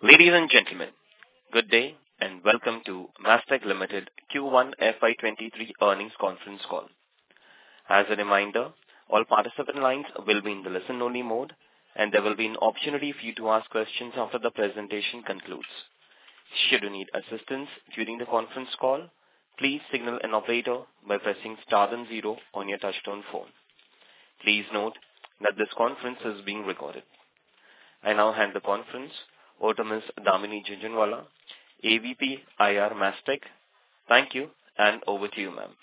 Ladies and gentlemen, good day and welcome to Mastek Limited Q1 FY23 Earnings Conference Call. As a reminder, all participant lines will be in the listen-only mode, and there will be an opportunity for you to ask questions after the presentation concludes. Should you need assistance during the conference call, please signal an operator by pressing star then zero on your touchtone phone. Please note that this conference is being recorded. I now hand the conference over to Ms. Damini Jhunjhunwala, AVP IR Mastek. Thank you, and over to you, ma'am.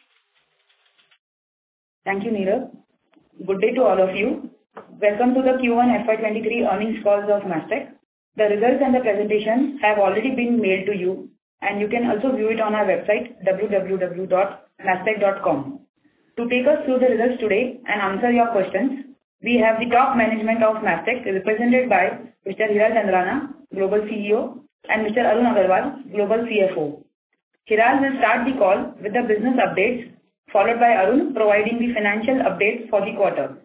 Thank you, Neerav. Good day to all of you. Welcome to the Q1 FY23 earnings calls of Mastek. The results and the presentations have already been mailed to you, and you can also view it on our website, www.mastek.com. To take us through the results today and answer your questions, we have the top management of Mastek represented by Mr. Hiral Chandrana, Global CEO, and Mr. Arun Agarwal, Global CFO. Hiral will start the call with the business updates, followed by Arun providing the financial updates for the quarter.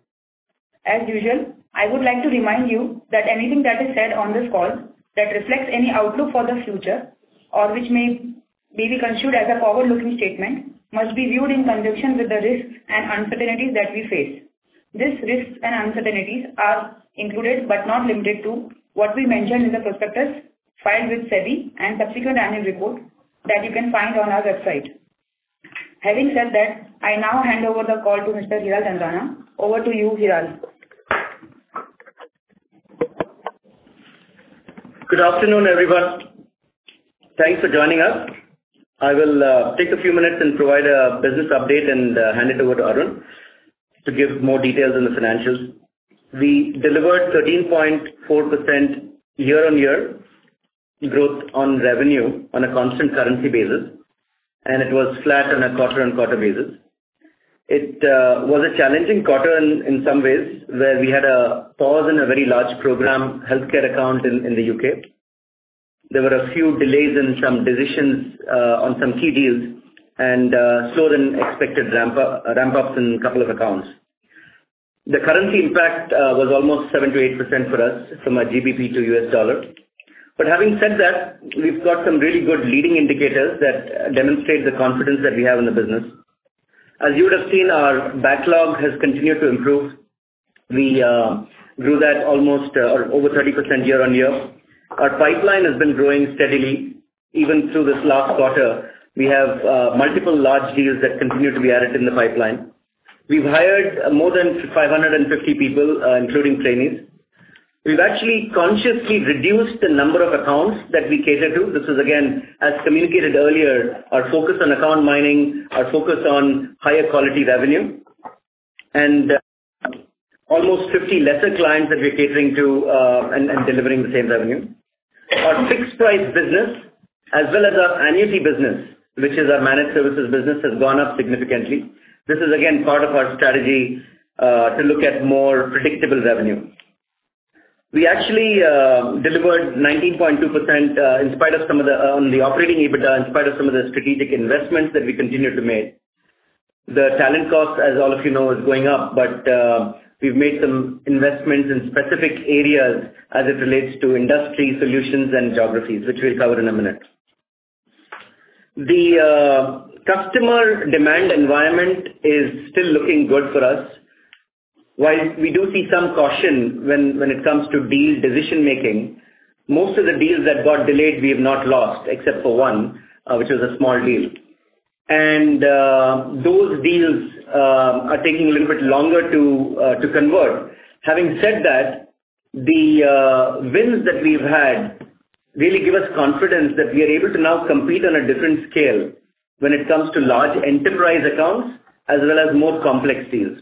As usual, I would like to remind you that anything that is said on this call that reflects any outlook for the future, or which may be construed as a forward-looking statement, must be viewed in conjunction with the risks and uncertainties that we face. These risks and uncertainties are included, but not limited to, what we mentioned in the prospectus filed with SEBI and subsequent annual report that you can find on our website. Having said that, I now hand over the call to Mr. Hiral Chandrana. Over to you, Hiral. Good afternoon, everyone. Thanks for joining us. I will take a few minutes and provide a business update and hand it over to Arun to give more details on the financials. We delivered 13.4% year-on-year growth on revenue on a constant currency basis, and it was flat on a quarter-on-quarter basis. It was a challenging quarter in some ways, where we had a pause in a very large program, healthcare account in the U.K. There were a few delays in some decisions on some key deals and slower than expected ramp-ups in a couple of accounts. The currency impact was almost 7% to 8% for us from a GBP to U.S. dollar. Having said that, we've got some really good leading indicators that demonstrate the confidence that we have in the business. As you would have seen, our backlog has continued to improve. We grew that almost over 30% year-on-year. Our pipeline has been growing steadily. Even through this last quarter, we have multiple large deals that continue to be added in the pipeline. We've hired more than 550 people, including trainees. We've actually consciously reduced the number of accounts that we cater to. This is again, as communicated earlier, our focus on account mining, our focus on higher quality revenue. Almost 50 lesser clients that we're catering to, and delivering the same revenue. Our fixed price business as well as our annuity business, which is our managed services business, has gone up significantly. This is again part of our strategy to look at more predictable revenue. We actually delivered 19.2% on the operating EBITDA, in spite of some of the strategic investments that we continue to make. The talent cost, as all of you know, is going up, but we've made some investments in specific areas as it relates to industry solutions and geographies, which we'll cover in a minute. The customer demand environment is still looking good for us. While we do see some caution when it comes to deal decision-making, most of the deals that got delayed we have not lost, except for one, which was a small deal. Those deals are taking a little bit longer to convert. Having said that, the wins that we've had really give us confidence that we are able to now compete on a different scale when it comes to large enterprise accounts as well as more complex deals.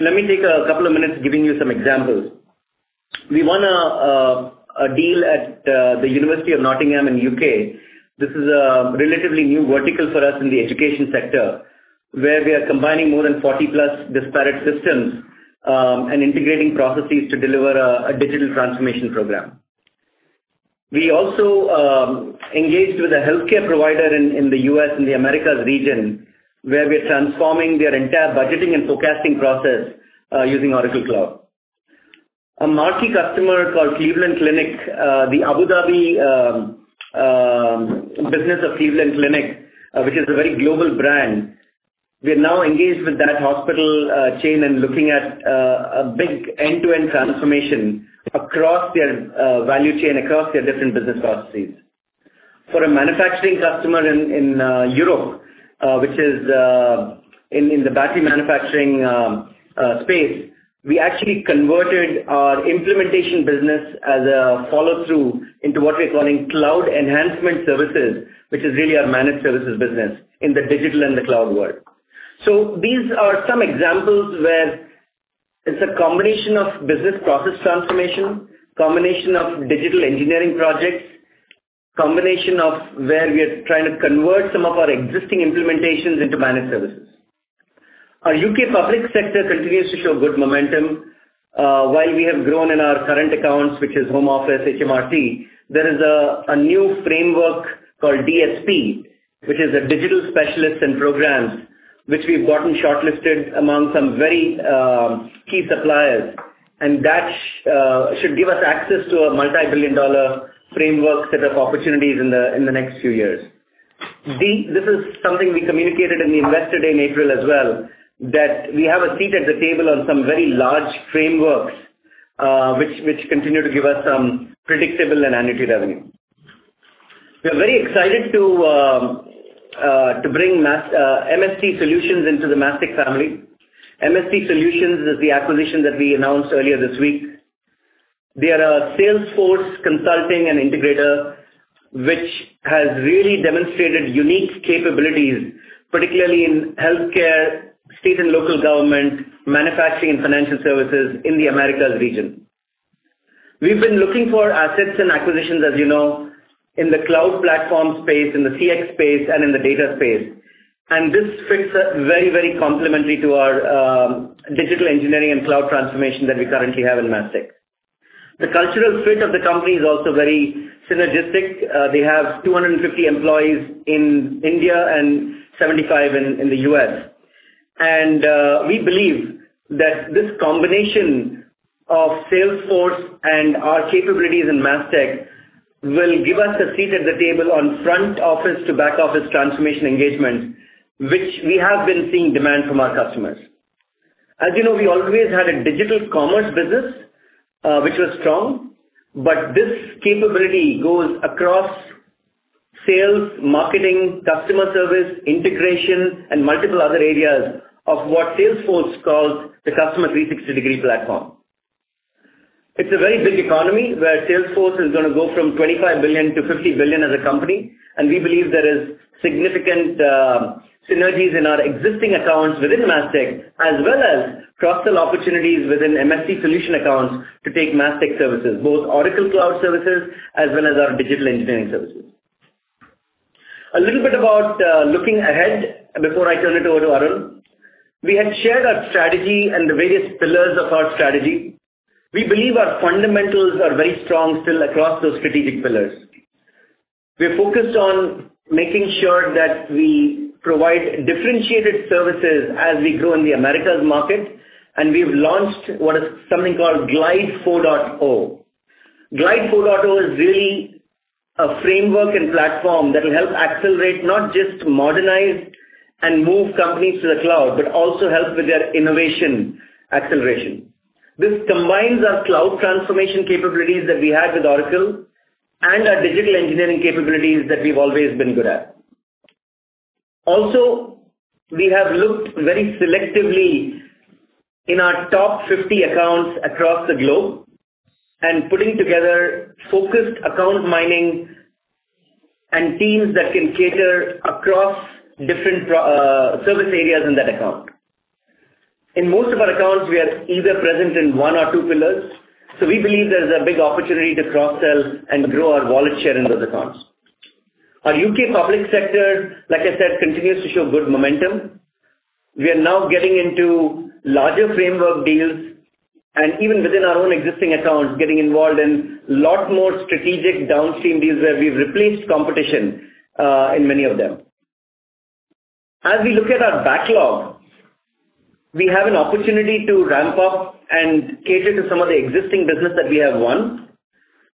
Let me take a couple of minutes giving you some examples. We won a deal at the University of Nottingham in U.K. This is a relatively new vertical for us in the education sector, where we are combining more than 40+ disparate systems and integrating processes to deliver a digital transformation program. We also engaged with a healthcare provider in the U.S., in the Americas region, where we're transforming their entire budgeting and forecasting process using Oracle Cloud. A marquee customer called Cleveland Clinic Abu Dhabi, which is a very global brand. We are now engaged with that hospital chain and looking at a big end-to-end transformation across their value chain, across their different business processes. For a manufacturing customer in Europe, which is in the battery manufacturing space, we actually converted our implementation business as a follow-through into what we're calling Cloud Enhancement Services, which is really our managed services business in the digital and the cloud world. These are some examples where it's a combination of business process transformation, combination of digital engineering projects, combination of where we are trying to convert some of our existing implementations into managed services. Our U.K. public sector continues to show good momentum. While we have grown in our current accounts, which is Home Office, HMRC, there is a new DSP, which is a Digital Specialist and Programs, which we've gotten shortlisted among some very key suppliers. That should give us access to a multi-billion dollar framework set of opportunities in the next few years. This is something we communicated in the Investor Day in April as well, that we have a seat at the table on some very large frameworks, which continue to give us some predictable and annuity revenue. We are very excited to bring MST Solutions into the Mastek family. MST Solutions is the acquisition that we announced earlier this week. They are a Salesforce consulting and integrator, which has really demonstrated unique capabilities, particularly in healthcare, state and local government, manufacturing and financial services in the Americas region. We've been looking for assets and acquisitions, as you know, in the cloud platform space, in the CX space, and in the data space. This fits very, very complementary to our digital engineering and cloud transformation that we currently have in Mastek. The cultural fit of the company is also very synergistic. They have 250 employees in India and 75 in the U.S. We believe that this combination of Salesforce and our capabilities in Mastek will give us a seat at the table on front office to back office transformation engagement, which we have been seeing demand from our customers. As you know, we always had a digital commerce business, which was strong. This capability goes across sales, marketing, customer service, integration, and multiple other areas of what Salesforce calls the Customer 360 platform. It's a very big economy, where Salesforce is gonna go from $25 billion to $50 billion as a company, and we believe there is significant synergies in our existing accounts within Mastek, as well as cross-sell opportunities within MST Solutions accounts to take Mastek services, both Oracle Cloud services as well as our digital engineering services. A little bit about looking ahead before I turn it over to Arun. We had shared our strategy and the various pillars of our strategy. We believe our fundamentals are very strong still across those strategic pillars. We are focused on making sure that we provide differentiated services as we grow in the Americas market, and we've launched what is something called Glide 4.0. Glide 4.0 is really a framework and platform that will help accelerate, not just modernize and move companies to the cloud, but also help with their innovation acceleration. This combines our cloud transformation capabilities that we have with Oracle and our digital engineering capabilities that we've always been good at. Also, we have looked very selectively in our top 50 accounts across the globe and putting together focused account mining and teams that can cater across different service areas in that account. In most of our accounts, we are either present in one or two pillars, so we believe there's a big opportunity to cross-sell and grow our wallet share in those accounts. Our U.K. public sector, like I said, continues to show good momentum. We are now getting into larger framework deals and even within our own existing accounts, getting involved in lot more strategic downstream deals where we've replaced competition, in many of them. As we look at our backlog, we have an opportunity to ramp up and cater to some of the existing business that we have won.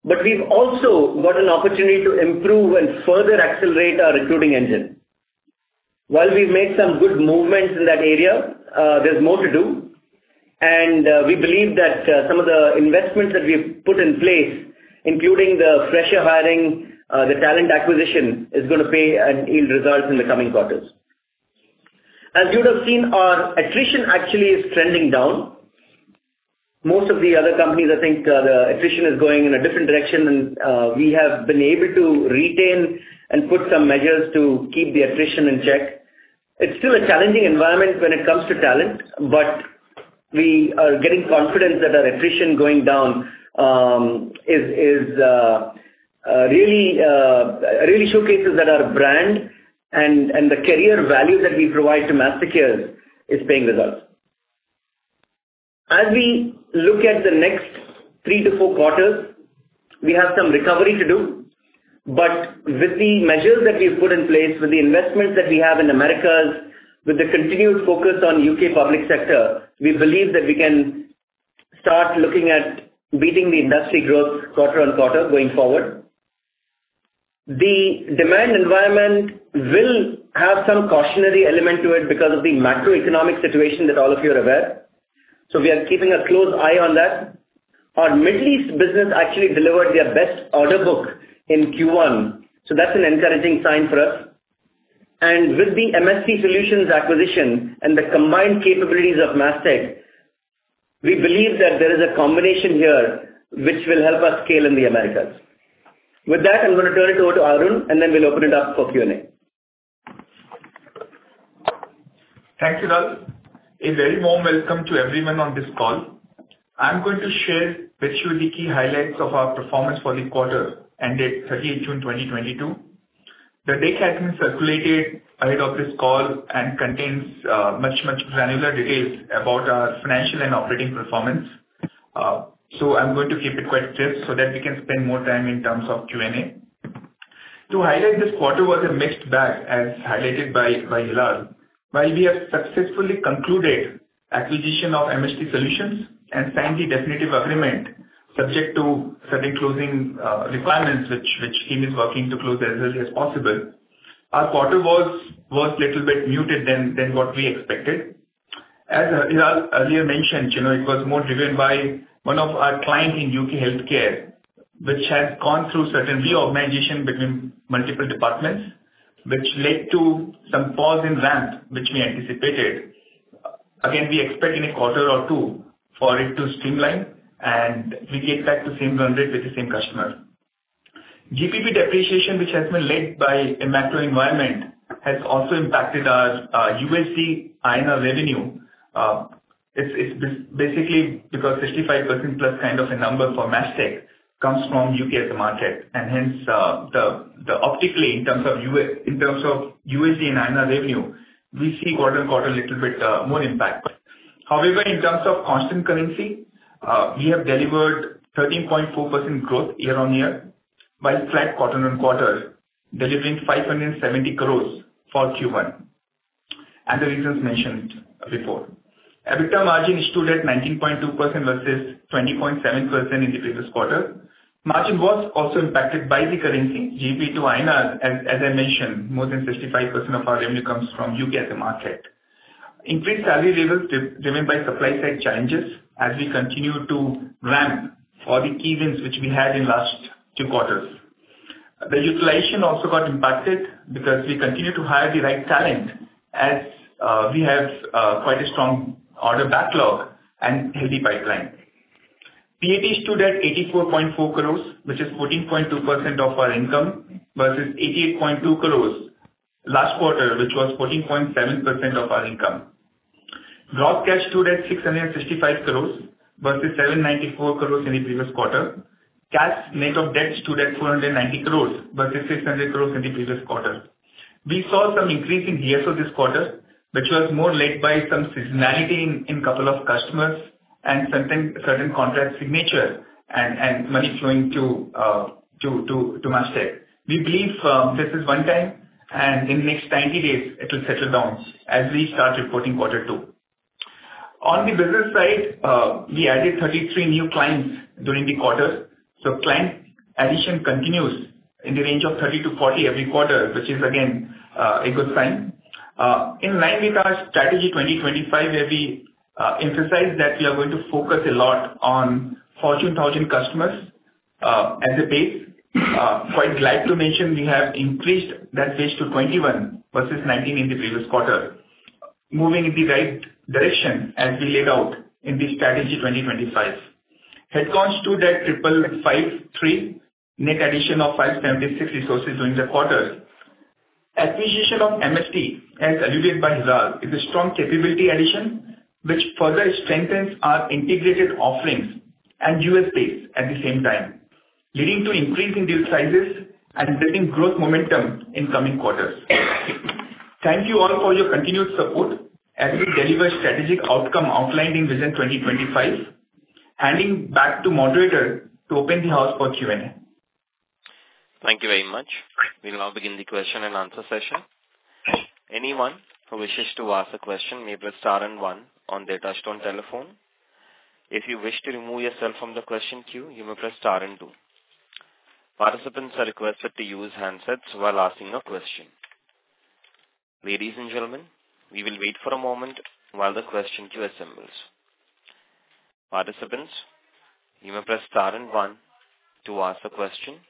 We've also got an opportunity to improve and further accelerate our recruiting engine. While we've made some good movements in that area, there's more to do. We believe that, some of the investments that we've put in place, including the fresher hiring, the talent acquisition, is gonna pay and yield results in the coming quarters. As you would have seen, our attrition actually is trending down. Most of the other companies, I think, the attrition is going in a different direction, and we have been able to retain and put some measures to keep the attrition in check. It's still a challenging environment when it comes to talent, but we are getting confidence that our attrition going down really showcases that our brand and the career value that we provide to Mastekers is paying results. As we look at the next three to four quarters, we have some recovery to do. With the measures that we've put in place, with the investments that we have in Americas, with the continued focus on UK public sector, we believe that we can start looking at beating the industry growth quarter on quarter going forward. The demand environment will have some cautionary element to it because of the macroeconomic situation that all of you are aware. We are keeping a close eye on that. Our Middle East business actually delivered their best order book in Q1, so that's an encouraging sign for us. With the MST Solutions acquisition and the combined capabilities of Mastek, we believe that there is a combination here which will help us scale in the Americas. With that, I'm gonna turn it over to Arun, and then we'll open it up for Q&A. Thank you, Hiral. A very warm welcome to everyone on this call. I'm going to share with you the key highlights of our performance for the quarter ended 30th June 2022. The deck has been circulated ahead of this call and contains much granular details about our financial and operating performance. So I'm going to keep it quite brief so that we can spend more time in terms of Q&A. To highlight this quarter was a mixed bag as highlighted by Hiral. While we have successfully concluded acquisition of MST Solutions and signed the definitive agreement subject to certain closing requirements which team is working to close as early as possible. Our quarter was little bit muted than what we expected. As Hiral earlier mentioned, you know, it was more driven by one of our client in U.K. healthcare, which has gone through certain reorganization between multiple departments, which led to some pause in ramp which we anticipated. Again, we expect in a quarter or two for it to streamline and we get back to same run rate with the same customer. GBP depreciation, which has been led by a macro environment, has also impacted our USD-INR revenue. It's basically because 65% plus kind of a number for Mastek comes from U.K. as a market and hence the optically in terms of USD and INR revenue, we see quarter-on-quarter a little bit more impact. However, in terms of constant currency, we have delivered 13.4% growth year-on-year while flat quarter-on-quarter, delivering 570 crores for Q1, for the reasons mentioned before. EBITDA margin stood at 19.2% versus 20.7% in the previous quarter. Margin was also impacted by the currency GBP to INR as I mentioned, more than 65% of our revenue comes from U.K. as a market. Increased salary levels driven by supply-side challenges as we continue to ramp for the key wins which we had in last two quarters. Utilization also got impacted because we continue to hire the right talent as we have quite a strong order backlog and healthy pipeline. PAT stood at 84.4 crores, which is 14.2% of our income versus 88.2 crores last quarter, which was 14.7% of our income. Gross cash stood at 665 crores versus 794 crores in the previous quarter. Cash net of debt stood at 490 crores versus 600 crores in the previous quarter. We saw some increase in DSO this quarter, which was more led by some seasonality in couple of customers and certain contract signature and money flowing to Mastek. We believe this is one time and in next 90 days it will settle down as we start reporting quarter two. On the business side, we added 33 new clients during the quarter. Client addition continues in the range of 30 to 40 every quarter, which is again a good sign. In line with our strategy 2025, where we emphasize that we are going to focus a lot on Fortune 1000 customers as a base. Quite glad to mention we have increased that base to 21 versus 19 in the previous quarter. Moving in the right direction as we laid out in the Strategy 2025. Headcount stood at 5,553. Net addition of 576 resources during the quarter. Acquisition of MST Solutions, as alluded by Hiral Chandrana, is a strong capability addition which further strengthens our integrated offerings and US base at the same time, leading to increase in deal sizes and building growth momentum in coming quarters. Thank you all for your continued support as we deliver strategic outcome outlined in Vision 2025. Handing back to moderator to open the floor for Q&A. Thank you very much. We'll now begin the question and answer session. Anyone who wishes to ask a question may press star and one on their touchtone telephone. If you wish to remove yourself from the question queue, you may press star and two. Participants are requested to use handsets while asking a question. Ladies and gentlemen, we will wait for a moment while the question queue assembles. Participants, you may press star and one to ask the question.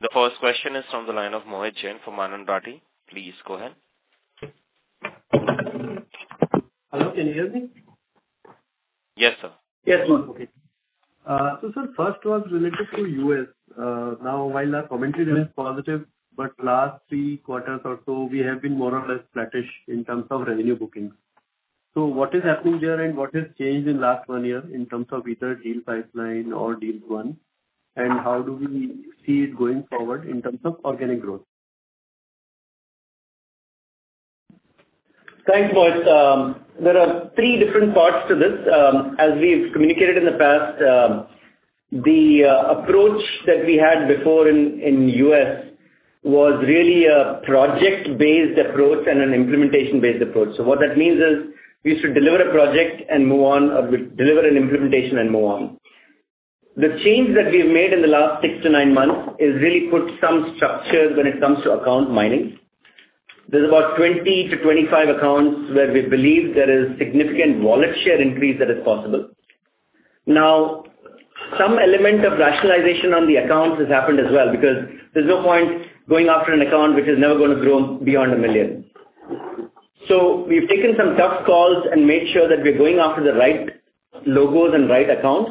The first question is from the line of Mohit Jain from Anand Rathi. Please go ahead. Hello, can you hear me? Yes, sir. Yes, Mohit. This is first was related to U.S. Now while our commentary there is positive, but last three quarters or so we have been more or less flattish in terms of revenue bookings. What is happening there and what has changed in last one year in terms of either deal pipeline or deal won and how do we see it going forward in terms of organic growth? Thanks, Mohit. There are three different parts to this. As we've communicated in the past, the approach that we had before in U.S. was really a project-based approach and an implementation-based approach. What that means is we used to deliver a project and move on or we deliver an implementation and move on. The change that we've made in the last six to nine months has really put some structures when it comes to account mining. There's about 20-25 accounts where we believe there is significant wallet share increase that is possible. Now some element of rationalization on the accounts has happened as well because there's no point going after an account which is never gonna grow beyond $1 million. We've taken some tough calls and made sure that we're going after the right logos and right accounts.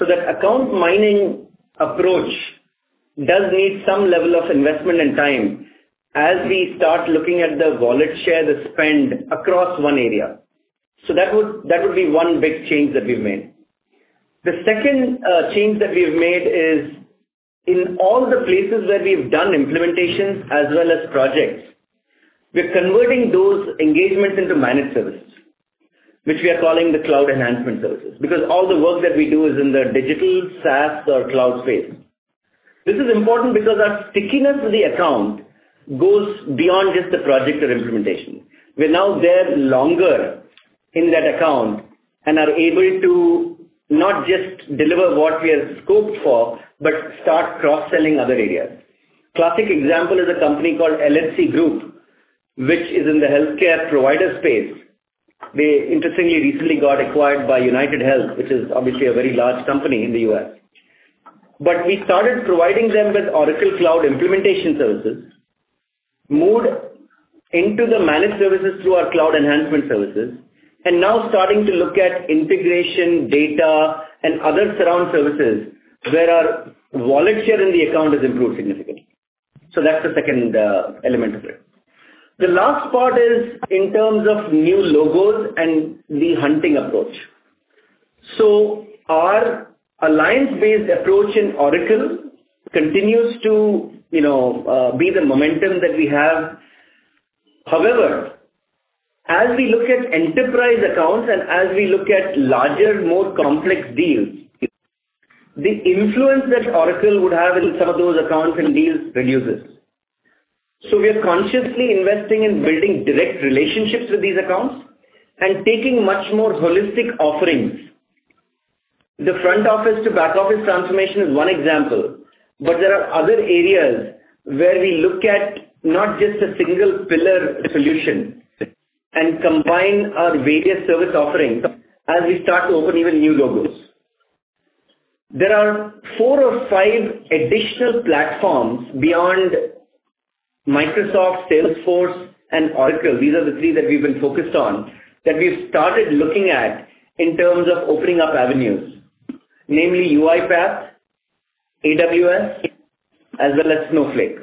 That account mining approach does need some level of investment and time as we start looking at the wallet share, the spend across one area. That would be one big change that we've made. The second change that we have made is in all the places where we've done implementations as well as projects, we're converting those engagements into managed services, which we are calling the Cloud Enhancement Services. Because all the work that we do is in the digital SaaS or cloud space. This is important because our stickiness with the account goes beyond just the project or implementation. We're now there longer in that account and are able to not just deliver what we have scoped for, but start cross-selling other areas. Classic example is a company called LHC Group, which is in the healthcare provider space. They interestingly recently got acquired by UnitedHealth Group, which is obviously a very large company in the U.S. We started providing them with Oracle Cloud implementation services, moved into the managed services through our Cloud Enhancement Services, and now starting to look at integration, data, and other surround services where our wallet share in the account has improved significantly. So that's the second element of it. The last part is in terms of new logos and the hunting approach. So our alliance-based approach in Oracle continues to, you know, be the momentum that we have. However, as we look at enterprise accounts and as we look at larger, more complex deals, the influence that Oracle would have in some of those accounts and deals reduces. So we are consciously investing in building direct relationships with these accounts and taking much more holistic offerings. The front office to back office transformation is one example, but there are other areas where we look at not just a single pillar solution and combine our various service offerings as we start to open even new logos. There are four or five additional platforms beyond Microsoft, Salesforce, and Oracle, these are the three that we've been focused on, that we've started looking at in terms of opening up avenues. Namely UiPath, AWS, as well as Snowflake.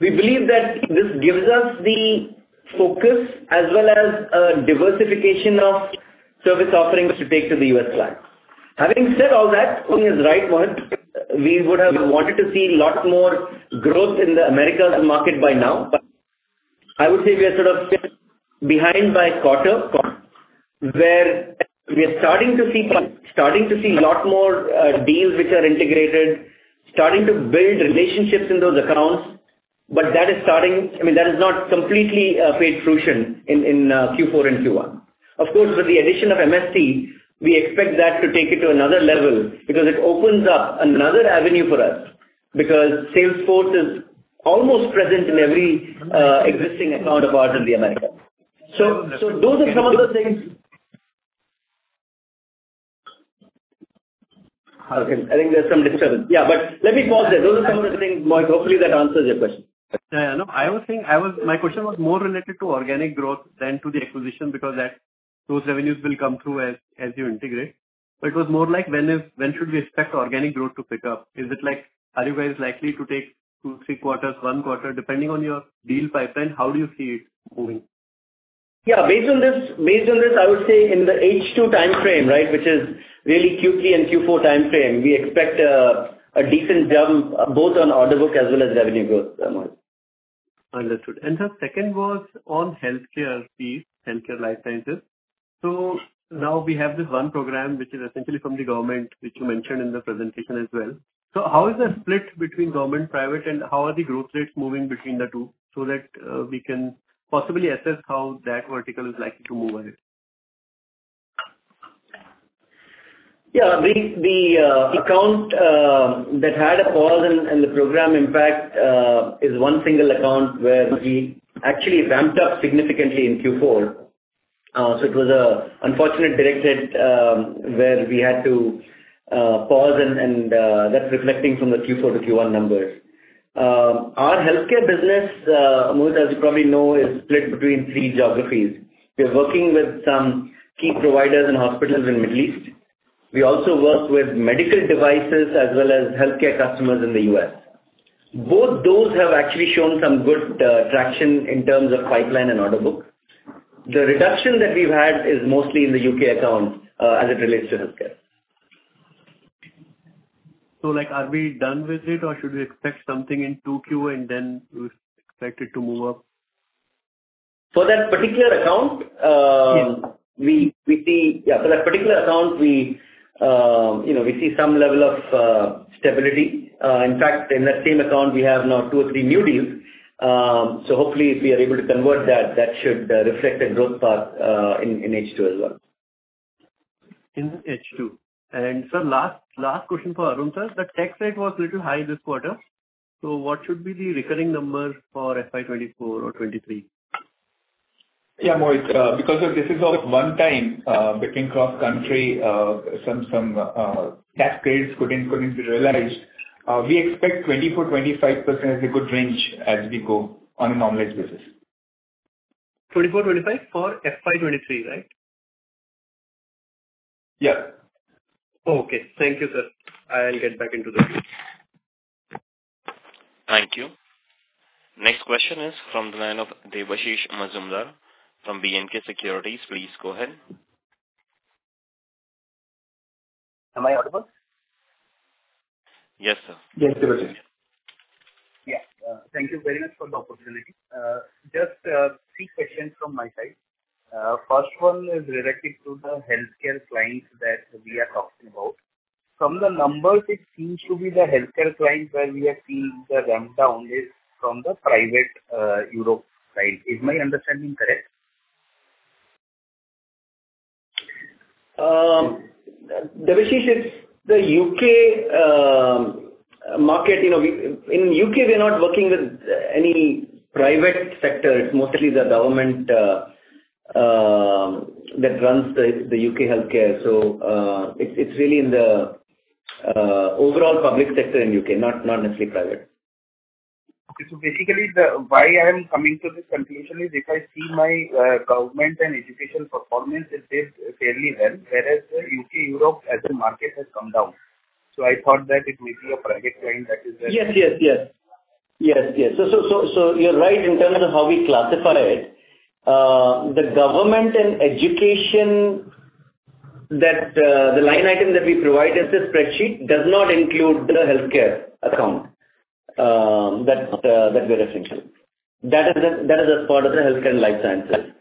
We believe that this gives us the focus as well as a diversification of service offerings to take to the US bank. Having said all that, Mohit is right. One, we would have wanted to see a lot more growth in the Americas market by now. I would say we are sort of behind by a quarter where we are starting to see lot more deals which are integrated, starting to build relationships in those accounts. That is not completely come to fruition in Q4 and Q1. Of course, with the addition of MST, we expect that to take it to another level because it opens up another avenue for us because Salesforce is almost present in every existing account of ours in America. So those are some of the things. Okay, I think there's some disturbance. Yeah, let me pause there. Those are some of the things, Mohit. Hopefully, that answers your question. My question was more related to organic growth than to the acquisition because those revenues will come through as you integrate. It was more like when should we expect organic growth to pick up? Is it like are you guys likely to take two, three quarters, one quarter? Depending on your deal pipeline, how do you see it moving? Based on this, I would say in the H2 time frame, right, which is really Q3 and Q4 time frame, we expect a decent jump both on order book as well as revenue growth, Mohit. Understood. The second was on healthcare piece, healthcare life sciences. Now we have this one program, which is essentially from the government, which you mentioned in the presentation as well. How is the split between government, private, and how are the growth rates moving between the two so that we can possibly assess how that vertical is likely to move ahead? The account that had a pause in the program impact is one single account where we actually ramped up significantly in Q4. So it was unfortunate direct hit, where we had to pause and that's reflecting from the Q4 to Q1 numbers. Our healthcare business, Mohit, as you probably know, is split between three geographies. We are working with some key providers and hospitals in Middle East. We also work with medical devices as well as healthcare customers in the U.S. Both those have actually shown some good traction in terms of pipeline and order book. The reduction that we've had is mostly in the U.K. account, as it relates to healthcare. Like, are we done with it or should we expect something in 2Q and then we expect it to move up? For that particular account, you know, we see some level of stability. In fact, in that same account we have now two or three new deals. Hopefully if we are able to convert that should reflect a growth path in H2 as well. In H2. Sir, last question for Arun sir. The tax rate was little high this quarter, so what should be the recurring number for FY 2024 or 2023? Mohit. Because this is all one-time, between cross-currency, some tax payments couldn't be realized, we expect 24%-25% as a good range as we go on a normalized basis. 2024, 2025 for FY 2023, right? Yes. Okay. Thank you, sir. I'll get back into the queue. This question is from the line of Debashish Mazumdar from BNK Securities. Please go ahead. Am I audible? Yes, sir. Yes, Debashish. Yeah. Thank you very much for the opportunity. Just three questions from my side. First one is related to the healthcare clients that we are talking about. From the numbers, it seems to be the healthcare clients where we are seeing the ramp down is from the private Europe side. Is my understanding correct? Debashish, it's the U.K. market. You know, in U.K. we're not working with any private sector. It's mostly the government that runs the U.K. healthcare. It's really in the overall public sector in U.K., not necessarily private. Okay. Basically the why I am coming to this conclusion is if I see my government and education performance has done fairly well, whereas the UK/Europe as a market has come down. I thought that it may be a private client that is the- Yes. You're right in terms of how we classify it. The line item that we provide as a spreadsheet does not include the healthcare account that we're referring to. That is a part of the healthcare life sciences.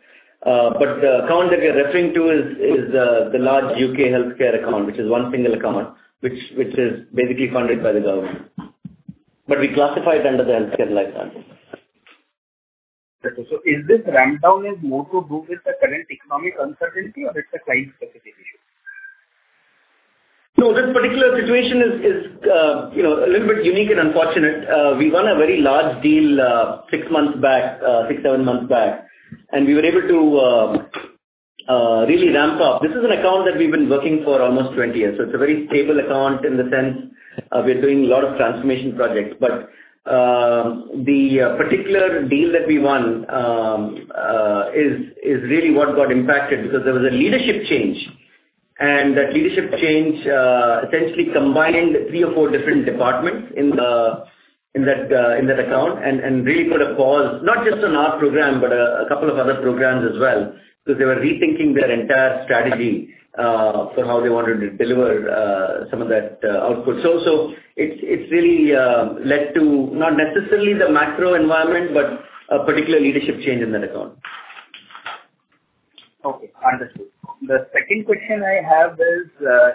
The account that we are referring to is the large U.K. healthcare account, which is one single account, which is basically funded by the government. We classify it under the healthcare life sciences. Okay. Is this ramp down more to do with the current economic uncertainty or it's a client specifically? No, this particular situation is, you know, a little bit unique and unfortunate. We won a very large deal six, seven months back, and we were able to really ramp up. This is an account that we've been working for almost 20 years, so it's a very stable account in the sense we are doing a lot of transformation projects. The particular deal that we won is really what got impacted because there was a leadership change. That leadership change essentially combined three or four different departments in that account and really put a pause, not just on our program, but a couple of other programs as well, because they were rethinking their entire strategy for how they wanted to deliver some of that output. It's really led to not necessarily the macro environment, but a particular leadership change in that account. Okay. Understood. The second question I have is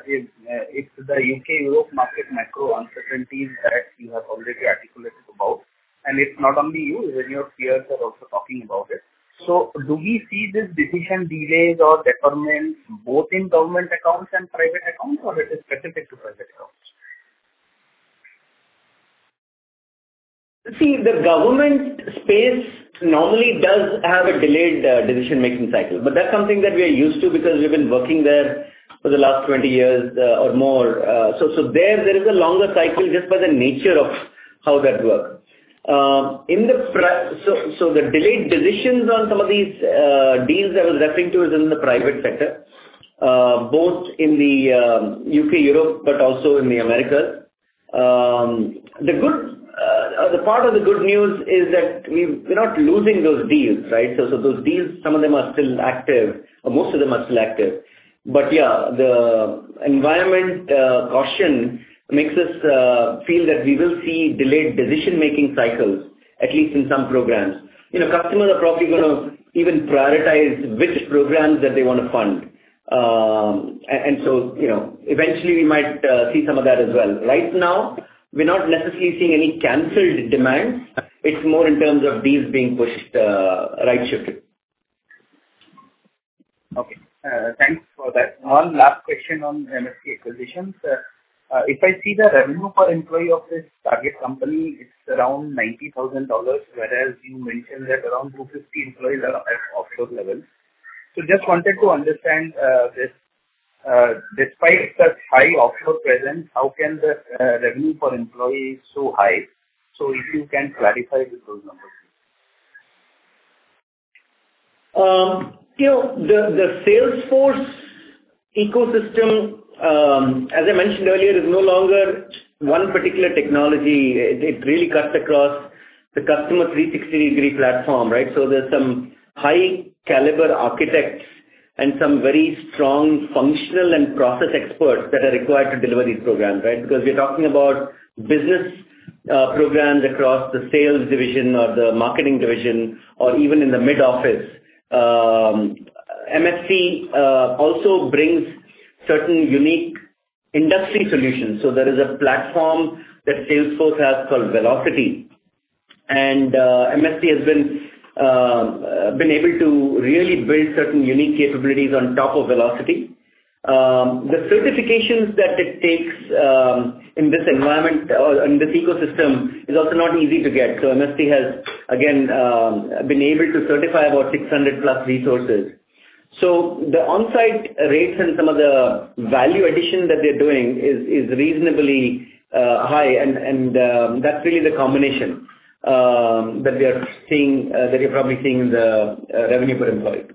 if the U.K./Europe market macro uncertainties that you have already articulated about, and it's not only you, even your peers are also talking about it. Do we see this decision delays or deferments both in government accounts and private accounts or it is specific to private accounts? See, the government space normally does have a delayed decision-making cycle, but that's something that we are used to because we've been working there for the last 20 years, or more. There is a longer cycle just by the nature of how that works. The delayed decisions on some of these deals I was referring to is in the private sector, both in the U.K/Europe, but also in the Americas. The part of the good news is that we're not losing those deals, right? Those deals, some of them are still active, or most of them are still active. Yeah, the environment caution makes us feel that we will see delayed decision-making cycles, at least in some programs. You know, customers are probably gonna even prioritize which programs that they wanna fund. So, you know, eventually we might see some of that as well. Right now, we're not necessarily seeing any canceled demands. It's more in terms of deals being pushed, right shifted. Okay. Thanks for that. One last question on MST acquisitions. If I see the revenue per employee of this target company, it's around $90,000, whereas you mentioned that around 250 employees are at offshore levels. Just wanted to understand, this, despite such high offshore presence, how can the revenue per employee is so high? If you can clarify with those numbers. You know, the Salesforce ecosystem, as I mentioned earlier, is no longer one particular technology. It really cuts across the Customer 360-degree platform, right? There's some high-caliber architects and some very strong functional and process experts that are required to deliver these programs, right? Because we're talking about business programs across the sales division or the marketing division or even in the mid-office. MST also brings certain unique industry solutions. There's a platform that salesforce has called Vlocity. MST has been able to really build certain unique capabilities on top of Vlocity. The certifications that it takes in this environment or in this ecosystem is also not easy to get. MST has again been able to certify about 600+ resources. The on-site rates and some of the value addition that they're doing is reasonably high and that's really the combination that we are seeing that you're probably seeing the revenue per employee.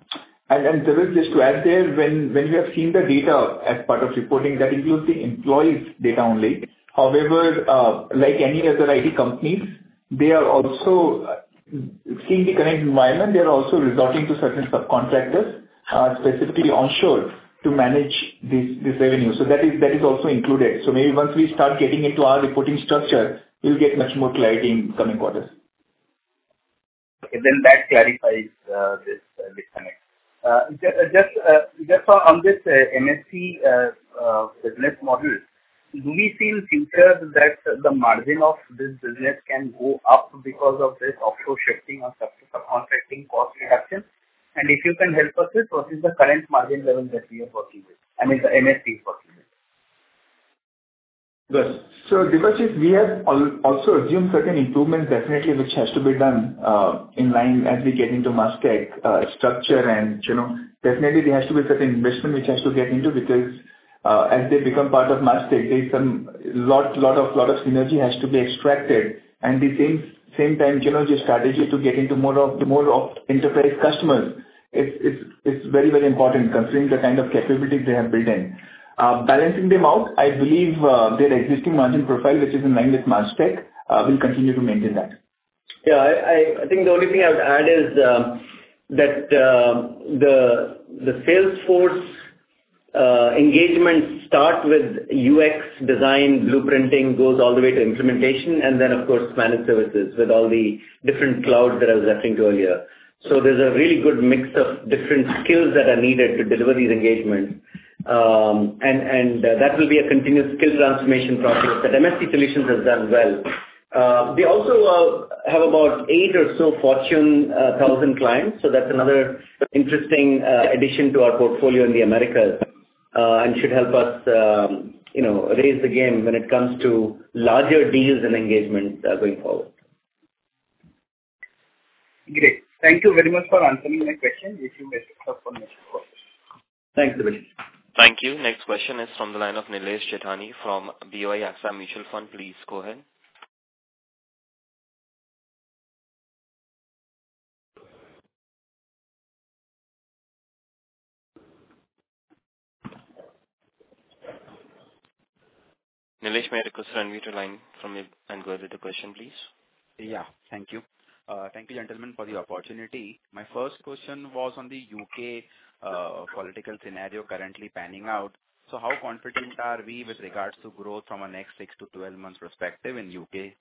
Debashish, just to add there, when we have seen the data as part of reporting, that includes the employees data only. However, like any other IT companies, they are also in the current environment resorting to certain subcontractors specifically onshore to manage this revenue. That is also included. Maybe once we start getting into our reporting structure, we'll get much more clarity in coming quarters. Okay. That clarifies this context. Just on this Mastek business model. Do we feel future that the margin of this business can go up because of this offshore shifting or subcontracting cost reduction? If you can help us with what is the current margin level that we are working with, I mean, the MST is working with. Yes. Debashish, we have also assumed certain improvements definitely which has to be done in line as we get into Mastek structure and, you know. Definitely there has to be certain investment which has to get into because as they become part of Mastek, there is some lot of synergy has to be extracted. The same time, you know, the strategy to get into more of enterprise customers, it's very important considering the kind of capabilities they have built in. Balancing them out, I believe, their existing margin profile, which is in line with Mastek, will continue to maintain that. Yeah. I think the only thing I would add is that the Salesforce engagement start with UX design blueprinting goes all the way to implementation and then of course managed services with all the different clouds that I was referring to earlier. There's a really good mix of different skills that are needed to deliver these engagements. That will be a continuous skill transformation process that MST Solutions has done well. We also have about eight or so Fortune 1000 clients. That's another interesting addition to our portfolio in the Americas, and should help us, you know, raise the game when it comes to larger deals and engagements, going forward. Great. Thank you very much for answering my question. If you may take up the next question. Thanks, Debashish. Thank you. Next question is from the line of Nilesh Jethani from BOI AXA Mutual Fund. Please go ahead. Nilesh, may I request you unmute your line from your end and go ahead with the question, please. Yeah. Thank you. Thank you, gentlemen, for the opportunity. My first question was on the U.K. political scenario currently panning out. How confident are we with regards to growth from a next 6-12 months perspective in U.K.?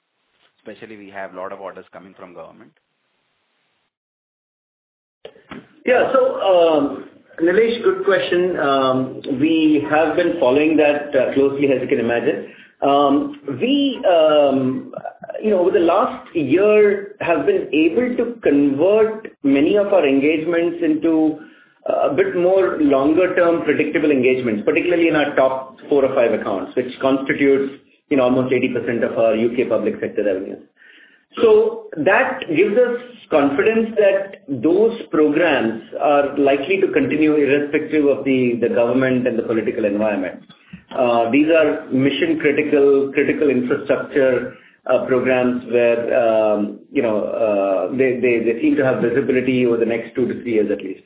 Especially we have a lot of orders coming from government. Yeah. Nilesh, good question. We have been following that closely, as you can imagine. You know, over the last year we have been able to convert many of our engagements into a bit more longer-term predictable engagements, particularly in our top four or five accounts, which constitutes, you know, almost 80% of our U.K. public sector revenue. That gives us confidence that those programs are likely to continue irrespective of the government and the political environment. These are mission-critical, critical infrastructure programs where, you know, they seem to have visibility over the next two to three years at least.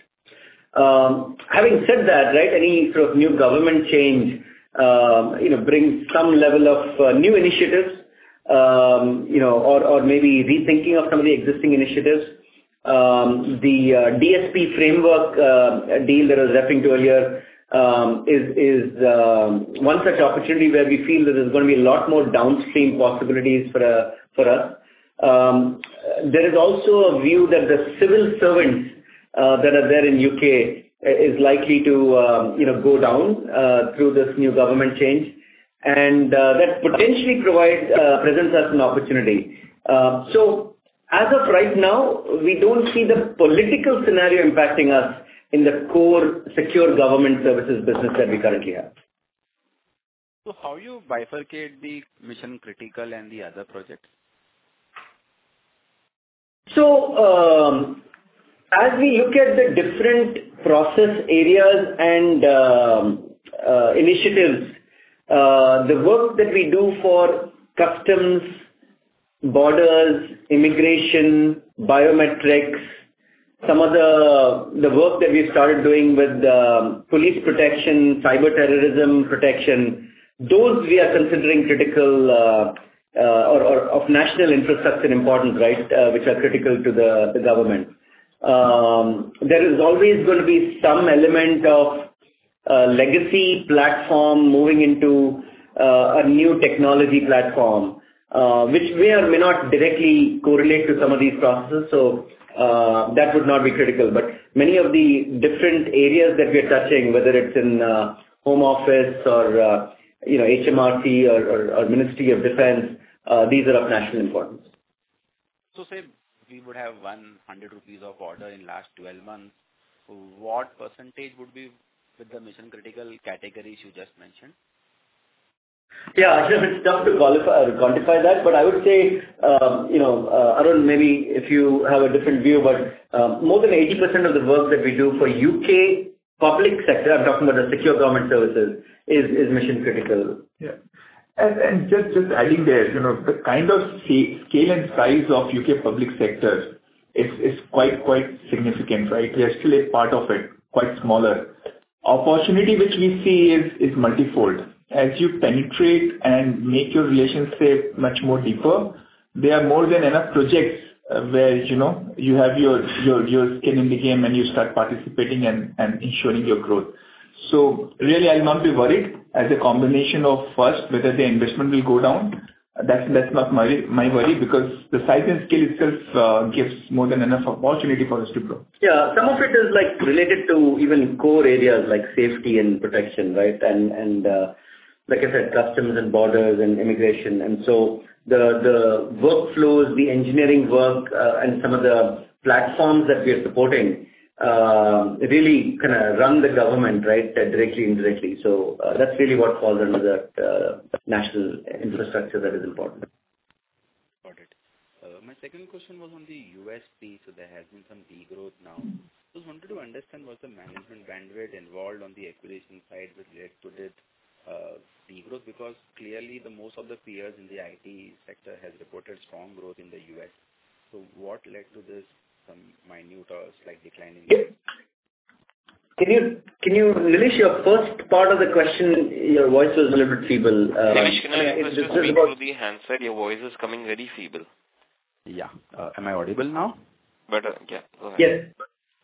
Having said that, right, any sort of new government change, you know, brings some level of new initiatives, you know, or maybe rethinking of some of the existing initiatives. The DOS framework deal that I was referring to earlier is one such opportunity where we feel that there's gonna be a lot more downstream possibilities for us. There is also a view that the civil servants that are there in U.K. is likely to you know go down through this new government change and that potentially presents us an opportunity. As of right now, we don't see the political scenario impacting us in the core secure government services business that we currently have. How do you bifurcate the mission-critical and the other projects? As we look at the different process areas and initiatives, the work that we do for customs, borders, immigration, biometrics, some of the work that we started doing with police protection, cyber terrorism protection, those we are considering critical or of national infrastructure importance, right, which are critical to the government. There is always gonna be some element of legacy platform moving into a new technology platform, which may or may not directly correlate to some of these processes, that would not be critical. Many of the different areas that we are touching, whether it's in Home Office or you know HMRC or Ministry of Defense, these are of national importance. Say we would have 100 rupees of order in last 12 months. What percentage would be with the mission-critical categories you just mentioned? Yeah. It's tough to qualify or quantify that, but I would say, you know, Arun, maybe if you have a different view, but, more than 80% of the work that we do for U.K. public sector, I'm talking about the secure government services, is mission-critical. Just adding there, you know, the kind of scale and size of U.K. public sector is quite significant, right? We are still a part of it, quite smaller. The opportunity which we see is multi-fold. As you penetrate and make your relationship much more deeper, there are more than enough projects where, you know, you have your skin in the game and you start participating and ensuring your growth. Really, I'll not be worried as a combination of, first, whether the investment will go down. That's not my worry because the size and scale itself gives more than enough opportunity for us to grow. Some of it is like related to even core areas like safety and protection, right? Like I said, customs and borders and immigration. The workflows, the engineering work, and some of the platforms that we are supporting really kind of run the government, right? Directly, indirectly. That's really what falls under that national infrastructure that is important. Got it. My second question was on the U.S. piece. There has been some degrowth now. Just wanted to understand what's the management bandwidth involved on the acquisition side which led to this, degrowth. Because clearly the most of the peers in the IT sector has reported strong growth in the US. What led to this some minute or slight decline in growth? Nilesh, your first part of the question, your voice was a little bit feeble. Nilesh, can I request you to move to the handset. Your voice is coming very feeble. Am I audible now? Better. All right. Yes.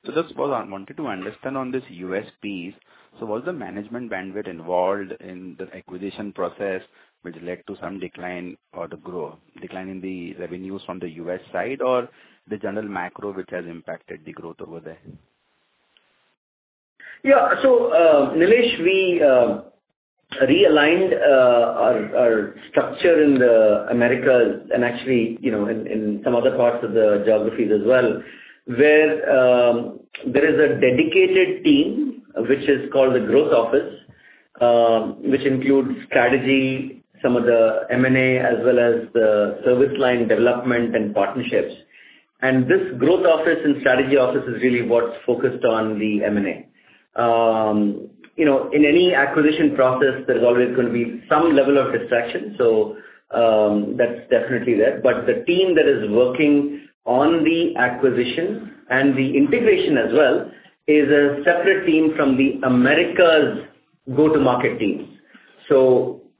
Just wanted to understand on this U.S. piece, so was the management bandwidth involved in the acquisition process which led to some decline or the decline in the revenues from the U.S. side, or the general macro which has impacted the growth over there? Yeah. Nilesh, we realigned our structure in the Americas and actually, you know, in some other parts of the geographies as well, where there is a dedicated team which is called the growth office, which includes strategy, some of the M&A as well as the service line development and partnerships. This growth office and strategy office is really what's focused on the M&A. You know, in any acquisition process there's always gonna be some level of distraction. That's definitely there. The team that is working on the acquisition and the integration as well is a separate team from the Americas go-to-market teams.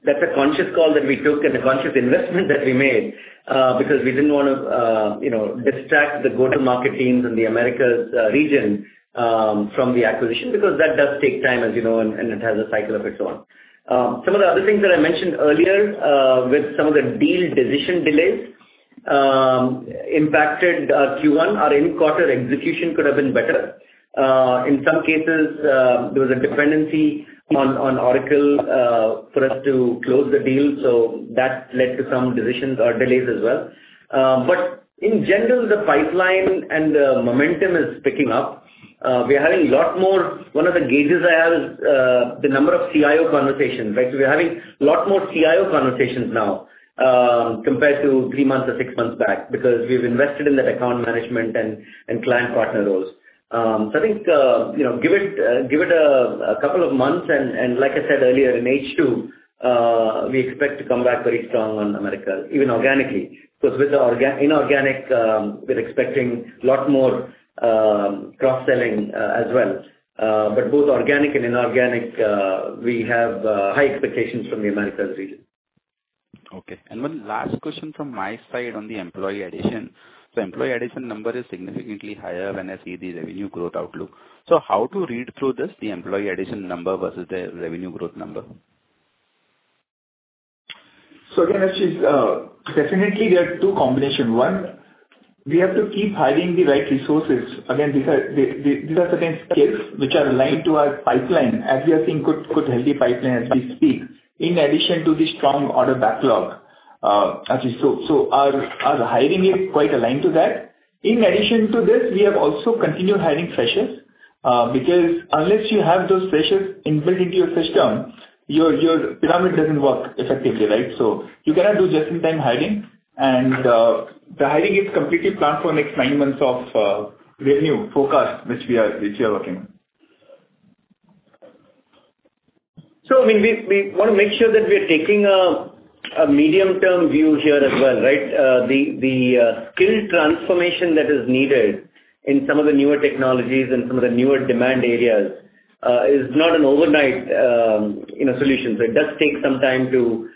That's a conscious call that we took and a conscious investment that we made, because we didn't wanna, you know, distract the go-to-market teams in the Americas region from the acquisition because that does take time, as you know, and it has a cycle of its own. Some of the other things that I mentioned earlier with some of the deal decision delays impacted Q1. Our in-quarter execution could have been better. In some cases, there was a dependency on Oracle for us to close the deal, so that led to some decisions or delays as well. In general, the pipeline and the momentum is picking up. We are having a lot more. One of the gauges I have is the number of CIO conversations, right? We're having a lot more CIO conversations now, compared to three months or six months back because we've invested in that account management and client partner roles. I think, you know, give it a couple of months and like I said earlier, in H2, we expect to come back very strong on America, even organically. Because with the inorganic, we're expecting a lot more cross-selling as well. Both organic and inorganic, we have high expectations from the Americas region. Okay. One last question from my side on the employee addition. The employee addition number is significantly higher when I see the revenue growth outlook. How to read through this, the employee addition number versus the revenue growth number? Actually, it's definitely there are two combination. One, we have to keep hiring the right resources. Again, these are certain skills which are aligned to our pipeline, as we are seeing good healthy pipeline as we speak, in addition to the strong order backlog. Actually, so our hiring is quite aligned to that. In addition to this, we have also continued hiring freshers because unless you have those freshers inbuilt into your system, your pyramid doesn't work effectively, right? You cannot do just-in-time hiring and the hiring is completely planned for next nine months of revenue forecast, which we are working on. I mean, we wanna make sure that we are taking a medium-term view here as well, right? The skill transformation that is needed in some of the newer technologies and some of the newer demand areas is not an overnight, you know, solution. It does take some time to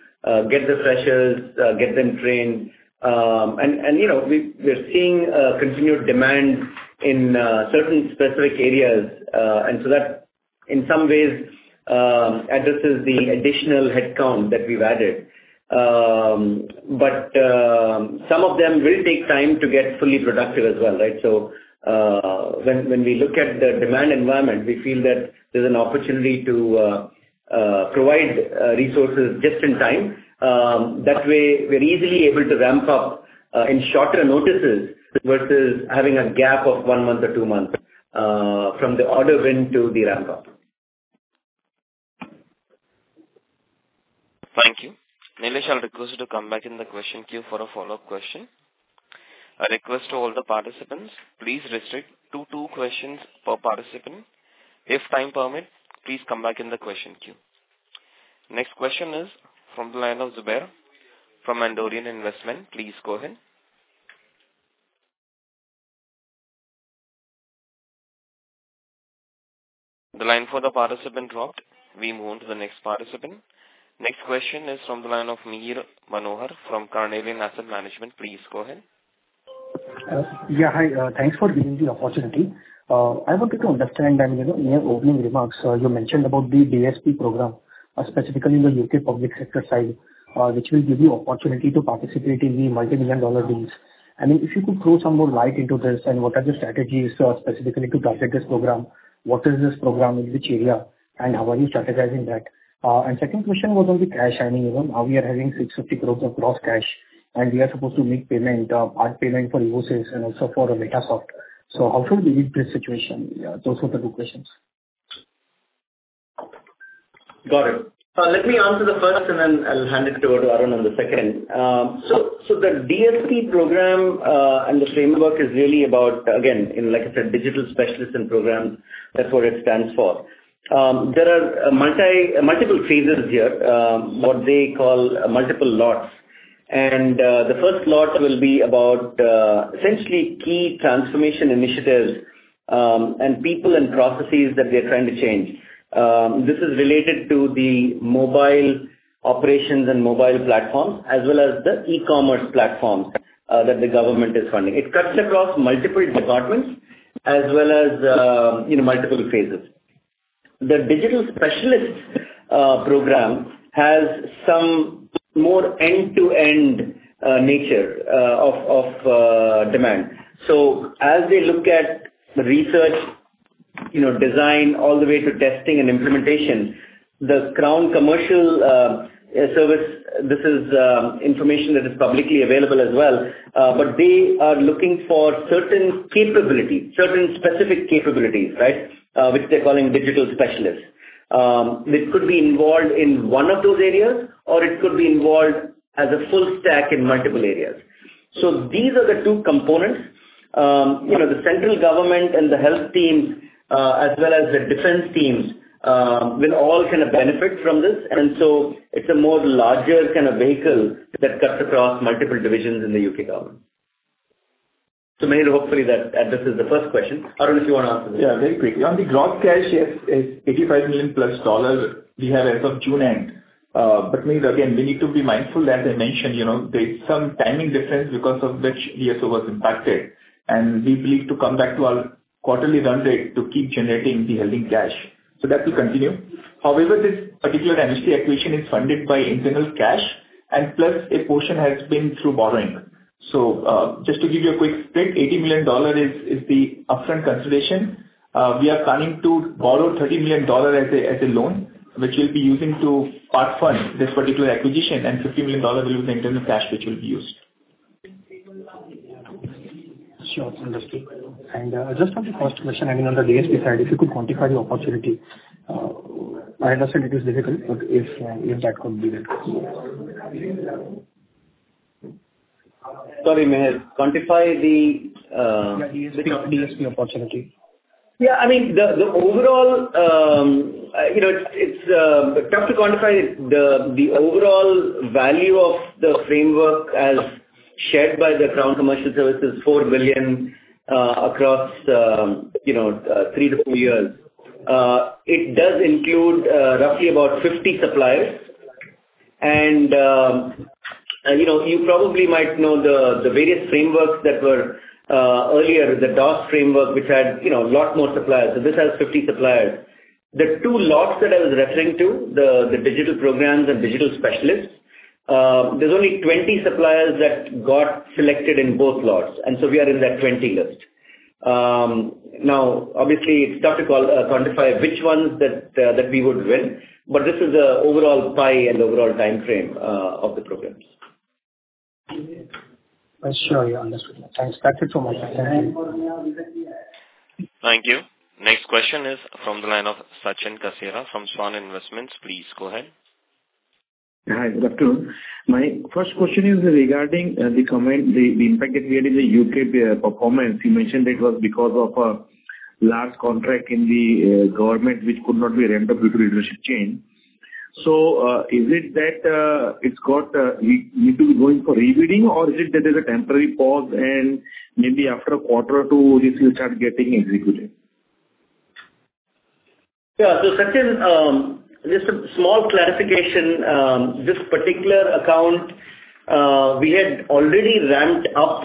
get the freshers get them trained. You know, we are seeing continued demand in certain specific areas. That in some ways addresses the additional headcount that we've added. Some of them will take time to get fully productive as well, right? When we look at the demand environment, we feel that there's an opportunity to provide resources just in time. That way we are easily able to ramp up in shorter notices versus having a gap of 1 month or 2 months from the order win to the ramp up. Nilesh, I'll request you to come back in the question queue for a follow-up question. A request to all the participants, please restrict to two questions per participant. If time permits, please come back in the question queue. Next question is from the line of Zubeyr from Mondrian Investments. Please go ahead. The line for the participant dropped. We move on to the next participant. Next question is from the line of Mihir Manohar from Carnelian Asset Management. Please go ahead. Thanks for giving the opportunity. I wanted to understand, I mean, you know, in your opening remarks, you mentioned about the DSP program, specifically in the U.K. public sector side, which will give you opportunity to participate in the multimillion-dollar deals. I mean, if you could throw some more light into this and what are the strategies, specifically to target this program. What is this program? In which area, and how are you strategizing that? And second question was on the cash, I mean, you know, how we are having 650 crores of gross cash, and we are supposed to make payment, part payment for Evosys and also for Meta Soft. How should we read this situation? Those were the two questions. Got it. Let me answer the first, and then I'll hand it over to Arun on the second. The DSP program and the framework is really about, again, in like I said, Digital Specialists and Programs, that's what it stands for. There are multiple phases here, what they call multiple lots. The first lot will be about essentially key transformation initiatives and people and processes that we are trying to change. This is related to the mobile operations and mobile platforms, as well as the e-commerce platforms that the government is funding. It cuts across multiple departments as well as, you know, multiple phases. The Digital Specialists Program has some more end-to-end nature of demand. As they look at research, you know, design, all the way to testing and implementation, the Crown Commercial Service, this is information that is publicly available as well, but they are looking for certain capabilities, certain specific capabilities, right? Which they're calling Digital Specialists. Which could be involved in one of those areas, or it could be involved as a full stack in multiple areas. These are the two components. You know, the central government and the health teams, as well as the defense teams, will all kind of benefit from this. It's a more larger kind of vehicle that cuts across multiple divisions in the U.K. government. Mihir, hopefully that addresses the first question. Arun, if you wanna answer the second. On the gross cash, yes, it's $85 million plus we have as of June end. But Mihir again, we need to be mindful, as I mentioned, you know, there's some timing difference because of which DSO was impacted, and we believe to come back to our quarterly run rate to keep generating the healthy cash. That will continue. However, this particular Amnesty acquisition is funded by internal cash and plus a portion has been through borrowing. Just to give you a quick split, $80 million is the upfront consideration. We are planning to borrow $30 million as a loan, which we'll be using to part-fund this particular acquisition, and $50 million will be internal cash, which will be used. Sure. It's understood. Just on the first question, I mean, on the DSP side, if you could quantify the opportunity. I understand it is difficult, but if that could be done. Sorry, Mihir. Quantify the? DSP opportunity. I mean, the overall, you know, it's tough to quantify the overall value of the framework as shared by the Crown Commercial Service, $ 4 billion, across, you know, three to four years. It does include roughly about 50 suppliers. You know, you probably might know the various frameworks that were earlier, the DOS Framework, which had, you know, a lot more suppliers. This has 50 suppliers. The two lots that I was referring to, the Digital Programs and Digital Specialists, there's only 20 suppliers that got selected in both lots, and so we are in that 20 list. Now obviously it's tough to quantify which ones that we would win, but this is an overall pie and overall timeframe of the programs. Sure. Understood. Thanks. That's it from my side. Thank you. Next question is from the line of Sachin Kasera from Svan Investments. Please go ahead. Hi, good afternoon. My first question is regarding the comment, the impacted area, the U.K. performance. You mentioned it was because of a large contract in the government which could not be ramped up due to leadership change. Is it that we need to be going for re-bidding, or is it that there's a temporary pause and maybe after a quarter or two this will start getting executed? Sachin, just a small clarification. This particular account, we had already ramped up,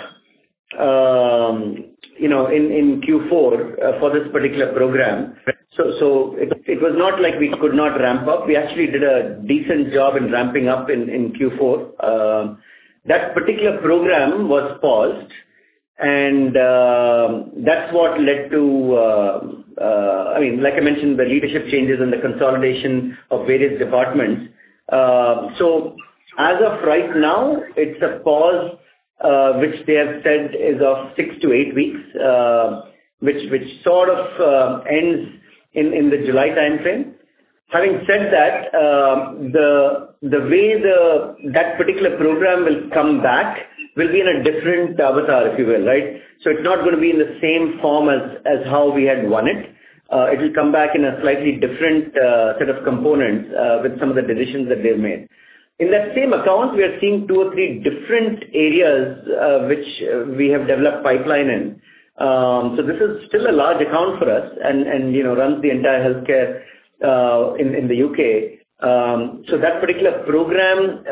you know, in Q4, for this particular program. It was not like we could not ramp up. We actually did a decent job in ramping up in Q4. That particular program was paused and that's what led to, I mean, like I mentioned, the leadership changes and the consolidation of various departments. As of right now, it's a pause, which they have said is of six to eight weeks, which sort of ends in the July timeframe. Having said that particular program will come back in a different avatar, if you will, right? It's not gonna be in the same form as how we had won it. It will come back in a slightly different set of components with some of the decisions that they've made. In that same account, we are seeing two or three different areas which we have developed pipeline in. This is still a large account for us and, you know, runs the entire healthcare in the U.K.. That particular program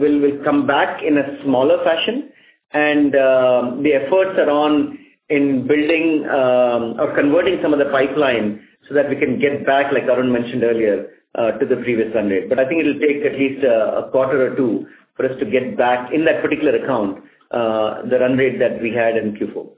will come back in a smaller fashion. The efforts are on in building or converting some of the pipeline so that we can get back, like Arun mentioned earlier, to the previous run rate. I think it'll take at least a quarter or two for us to get back in that particular account, the run rate that we had in Q4.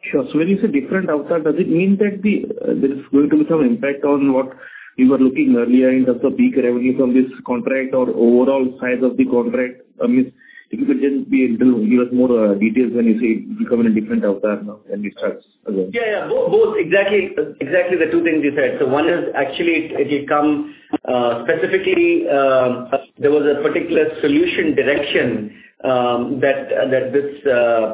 Sure. When you say different avatar, does it mean that there is going to be some impact on what you were looking earlier in terms of peak revenue from this contract or overall size of the contract? I mean, if you could just give us more details when you say becoming a different avatar now than it was. Both. Exactly, the two things you said. One is actually it had come specifically there was a particular solution direction that this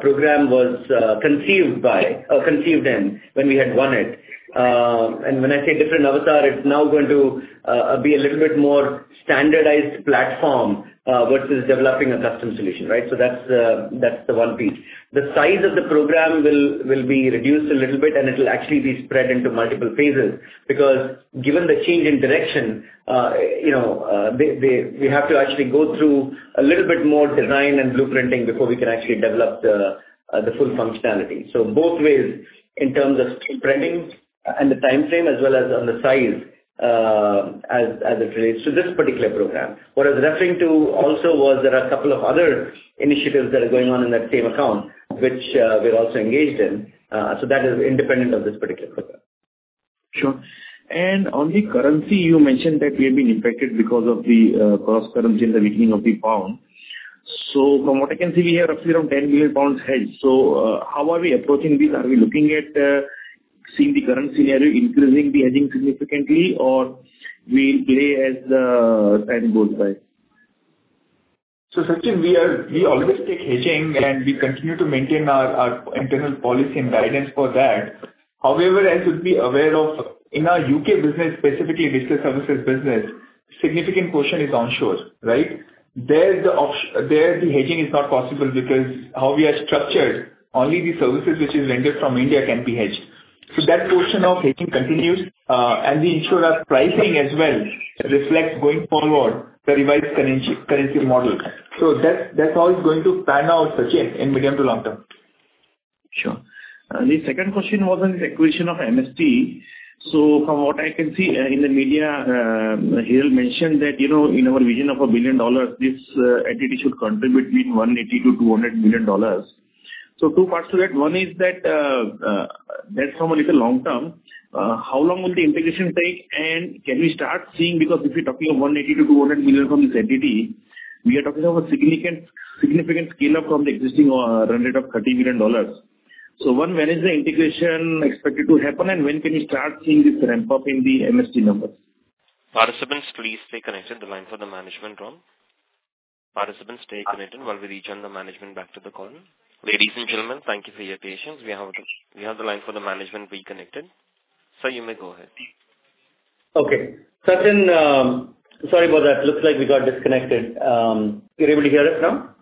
program was conceived by or conceived in when we had won it. When I say different avatar, it's now going to be a little bit more standardized platform versus developing a custom solution, right? That's the one piece. The size of the program will be reduced a little bit, and it'll actually be spread into multiple phases. Because given the change in direction, you know, they. We have to actually go through a little bit more design and blueprinting before we can actually develop the full functionality. Both ways in terms of spreading and the timeframe as well as on the size, as it relates to this particular program. What I was referring to also was there are a couple of other initiatives that are going on in that same account, which, we're also engaged in. That is independent of this particular program. Sure. On the currency, you mentioned that we have been impacted because of the cross currency and the weakening of the pound. From what I can see, we have around $10 million hedge. How are we approaching this? Are we looking at seeing the currency scenario increasing the hedging significantly or we play as the time goes by? Sachin, we always take hedging, and we continue to maintain our internal policy and guidance for that. However, as you'd be aware of, in our UK business, specifically digital services business, significant portion is onshore, right? There the hedging is not possible because how we are structured, only the services which is rendered from India can be hedged. That portion of hedging continues. And we ensure our pricing as well reflects going forward the revised currency model. That's how it's going to pan out, Sachin, in medium to long term. Sure. The second question was on the acquisition of MST. From what I can see, in the media, Hiral mentioned that, you know, in our vision of $1 billion, this entity should contribute between $180 million-$200 million. Two parts to that. One is that's from a little longer term. How long will the integration take, and can we start seeing? Because if we're talking of $180 million-$200 million from this entity, we are talking of a significant scale up from the existing run rate of $30 million. One, when is the integration expected to happen, and when can we start seeing this ramp up in the MST numbers? Participants, please stay connected. The line for the management on. Participants, stay connected while we return the management back to the call. Ladies and gentlemen, thank you for your patience. We have the line for the management reconnected. Sir, you may go ahead. Okay. Sachin, sorry about that. Looks like we got disconnected. You're able to hear us now?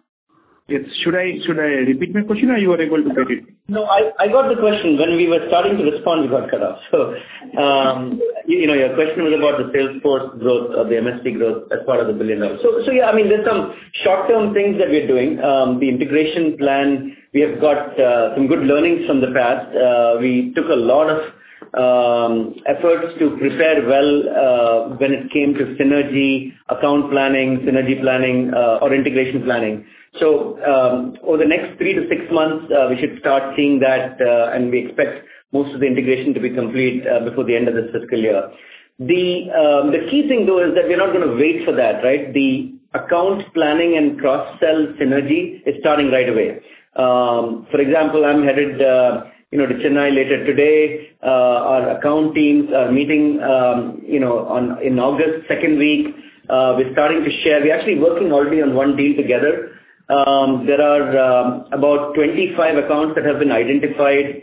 Yes. Should I repeat my question or you were able to get it? No, I got the question. When we were starting to respond, we got cut off. You know, your question was about the Salesforce growth or the MST growth as part of the $1 billion. Yeah, I mean, there's some short-term things that we are doing. The integration plan, we have got some good learnings from the past. We took a lot of efforts to prepare well, when it came to synergy, account planning, synergy planning, or integration planning. Over the next three to six months, we should start seeing that, and we expect most of the integration to be complete, before the end of this fiscal year. The key thing though is that we're not gonna wait for that, right? The account planning and cross-sell synergy is starting right away. For example, I'm headed, you know, to Chennai later today. Our account teams are meeting, you know, in August second week. We're starting to share. We're actually working already on one deal together. There are about 25 accounts that have been identified,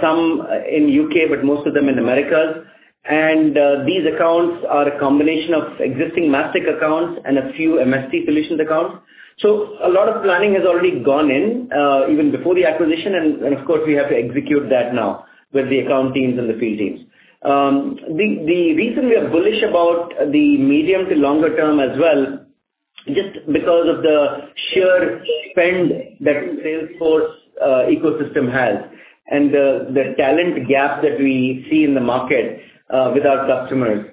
some in U.K., but most of them in Americas. These accounts are a combination of existing Mastek accounts and a few MST Solutions accounts. A lot of planning has already gone in, even before the acquisition and, of course, we have to execute that now with the account teams and the field teams. The reason we are bullish about the medium to longer term as well, just because of the sheer spend that Salesforce ecosystem has and the talent gap that we see in the market with our customers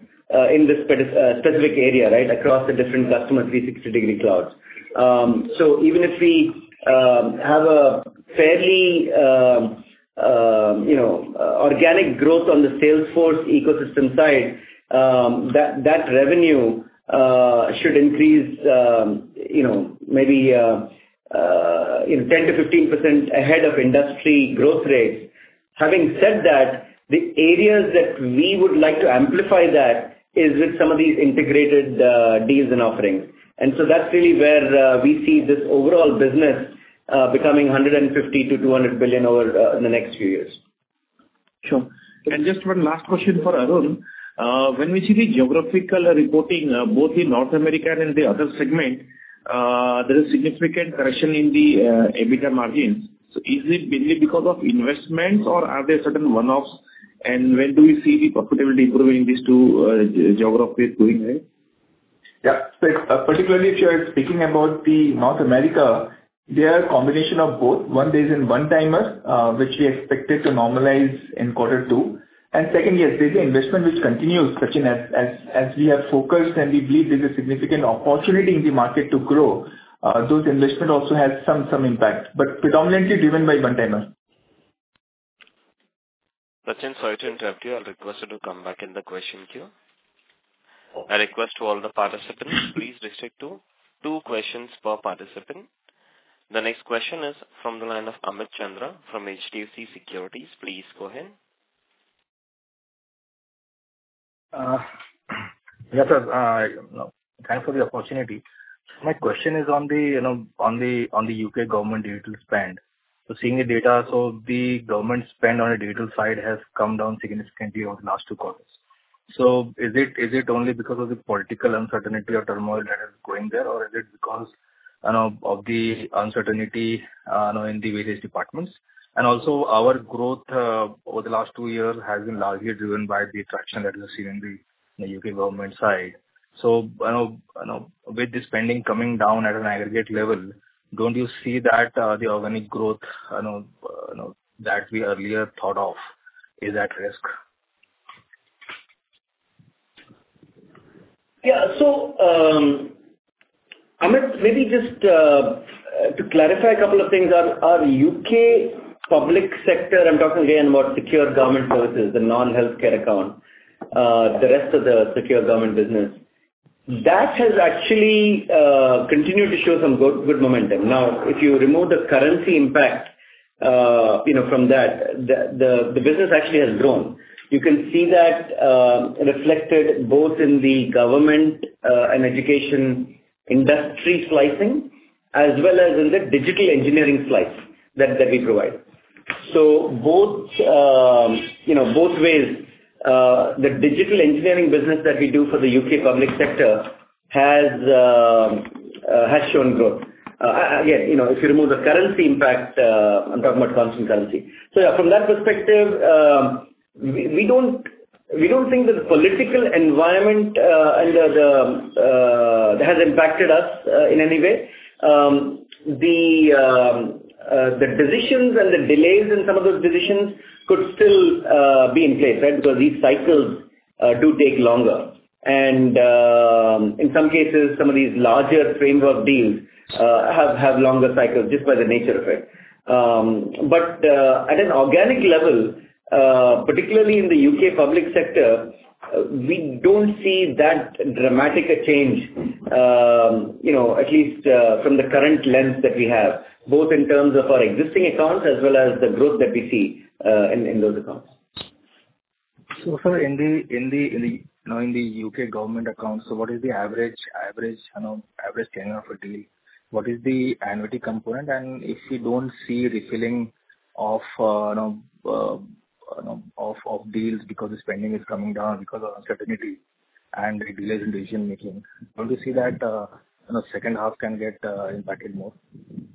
in this specific area, right? Across the different Customer 360-degree clouds. Even if we have a fairly you know organic growth on the Salesforce ecosystem side, that revenue should increase you know maybe in 10%-15% ahead of industry growth rates. Having said that, the areas that we would like to amplify that is with some of these integrated deals and offerings. That's really where we see this overall business becoming $150 billion to $200 billion over the next few years. Just one last question for Arun. When we see the geographical reporting, both in North America and the other segment, there is significant correction in the EBITDA margins. Is it mainly because of investments or are there certain one-offs? When do we see the profitability improving these two geographies going, right? Particularly if you are speaking about North America, they are a combination of both. One is in one-timers, which we expected to normalize in quarter two. Second, yes, there's the investment which continues, Sachin, as we have focused and we believe there's a significant opportunity in the market to grow, those investment also has some impact, but predominantly driven by one-timers. Sachin, sorry to interrupt you. I'll request you to come back in the question queue. I request to all the participants, please restrict to two questions per participant. The next question is from the line of Amit Chandra from HDFC Securities. Please go ahead. Yes, sir. You know, thanks for the opportunity. My question is on the U.K. government digital spend. Seeing the data, the government spend on a digital side has come down significantly over the last two quarters. Is it only because of the political uncertainty or turmoil that is going there? Or is it because of the uncertainty in the various departments? Also, our growth over the last two years has been largely driven by the traction that we're seeing in the U.K. government side. You know, with the spending coming down at an aggregate level, don't you see that the organic growth that we earlier thought of is at risk? Yeah, Amit, maybe just to clarify a couple of things. Our U.K. public sector, I'm talking again about secure government services, the non-healthcare account, the rest of the secure government business. That has actually continued to show some good momentum. Now, if you remove the currency impact, you know, from that, the business actually has grown. You can see that reflected both in the government and education industry slicing as well as in the digital engineering slice that we provide. Both ways, you know, the digital engineering business that we do for the U.K. public sector has shown growth. Again, you know, if you remove the currency impact, I'm talking about constant currency. Yeah, from that perspective, we don't think that the political environment has impacted us in any way. The decisions and the delays in some of those decisions could still be in place, right? Because these cycles do take longer. In some cases, some of these larger framework deals have longer cycles just by the nature of it. At an organic level, particularly in the U.K. public sector, we don't see that dramatic a change, you know, at least from the current lens that we have, both in terms of our existing accounts as well as the growth that we see in those accounts. Sir, in the U.K. government accounts, what is the average tenure of a deal? What is the annuity component? If you don't see refilling of deals because the spending is coming down because of uncertainty and delays in decision-making, don't you see that second half can get impacted more? No,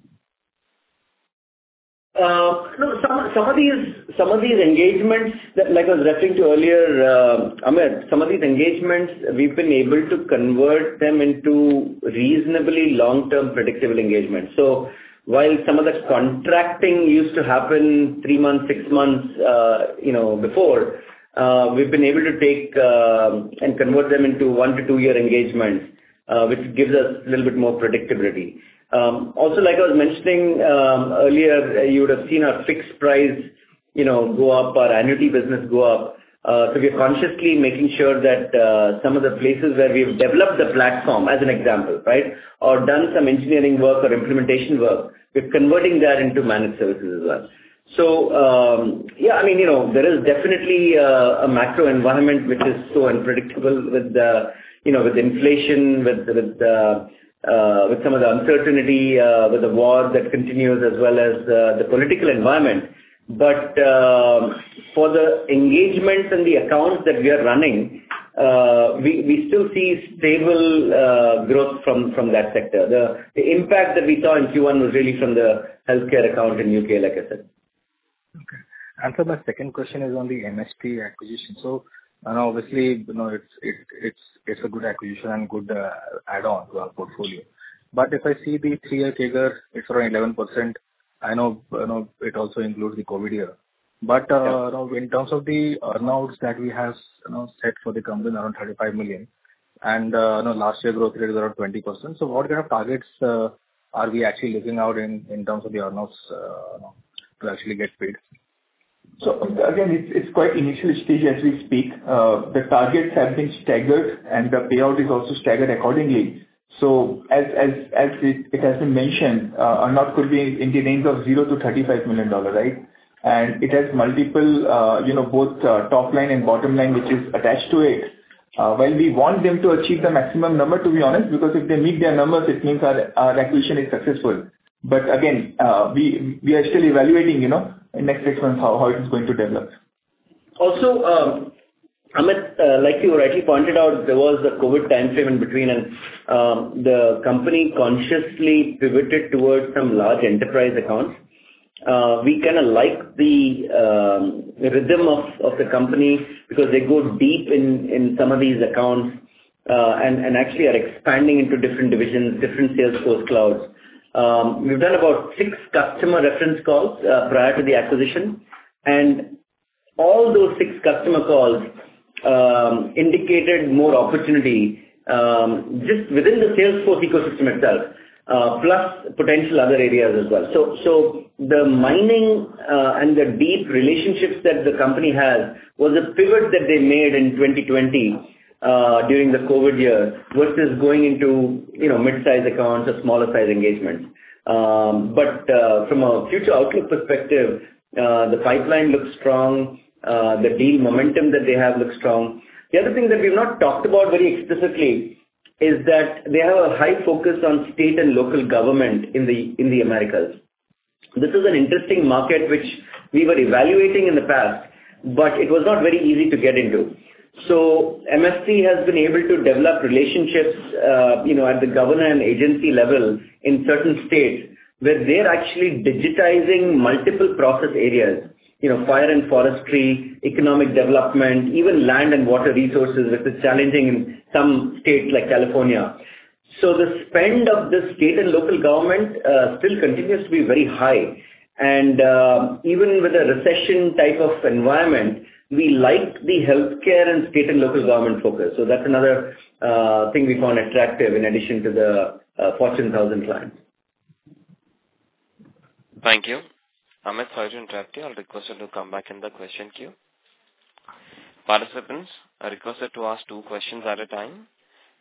some of these engagements that, like, I was referring to earlier, Amit, we've been able to convert them into reasonably long-term predictable engagements. While some of the contracting used to happen three months, six months, you know, before, we've been able to take and convert them into one to two-year engagements, which gives us a little bit more predictability. Also, like I was mentioning earlier, you would have seen our fixed price, you know, go up, our annuity business go up. We're consciously making sure that some of the places where we've developed the Platform as an example, right? Or done some engineering work or implementation work, we're converting that into managed services as well. There is definitely a macro environment which is so unpredictable with inflation, with some of the uncertainty, with the war that continues as well as the political environment. For the engagements and the accounts that we are running, we still see stable growth from that sector. The impact that we saw in Q1 was really from the healthcare account in U.K., like I said. Okay. Sir, my second question is on the MST acquisition. Obviously, you know, it's a good acquisition and good add-on to our portfolio. If I see the three-year figure, it's around 11%. I know, you know, it also includes the COVID year. You know, in terms of the earn outs that we have, you know, set for the company around 35 million, and, you know, last year growth rate is around 20%. What kind of targets are we actually looking out in terms of the earn outs, you know, to actually get paid? It's quite initial stage as we speak. The targets have been staggered and the payout is also staggered accordingly. As it has been mentioned, a lot could be in the range of $0 of $35 million, right? And it has multiple both top line and bottom line which is attached to it. While we want them to achieve the maximum number, to be honest, because if they meet their numbers, it means our acquisition is successful. Again, we are still evaluating, you know, in next six months how it is going to develop. Also, Amit, like you rightly pointed out, there was a COVID timeframe in between, and the company consciously pivoted towards some large enterprise accounts. We kind of like the rhythm of the company because they go deep in some of these accounts, and actually are expanding into different divisions, different Salesforce clouds. We've done about six customer reference calls prior to the acquisition. All those six customer calls indicated more opportunity just within the Salesforce ecosystem itself, plus potential other areas as well. The mining and the deep relationships that the company has was a pivot that they made in 2020 during the COVID year versus going into, you know, mid-size accounts or smaller size engagements. From a future outlook perspective, the pipeline looks strong. The deal momentum that they have looks strong. The other thing that we've not talked about very explicitly is that they have a high focus on state and local government in the Americas. This is an interesting market which we were evaluating in the past, but it was not very easy to get into. Mastek has been able to develop relationships, you know, at the governor and agency level in certain states where they're actually digitizing multiple process areas. You know, fire and forestry, economic development, even land and water resources, which is challenging in some states like California. The spend of the state and local government still continues to be very high. Even with a recession type of environment, we like the healthcare and state and local government focus. That's another thing we found attractive in addition to the Fortune 1000 clients. Thank you. Amit, sorry to interrupt you. I'll request you to come back in the question queue. Participants are requested to ask two questions at a time.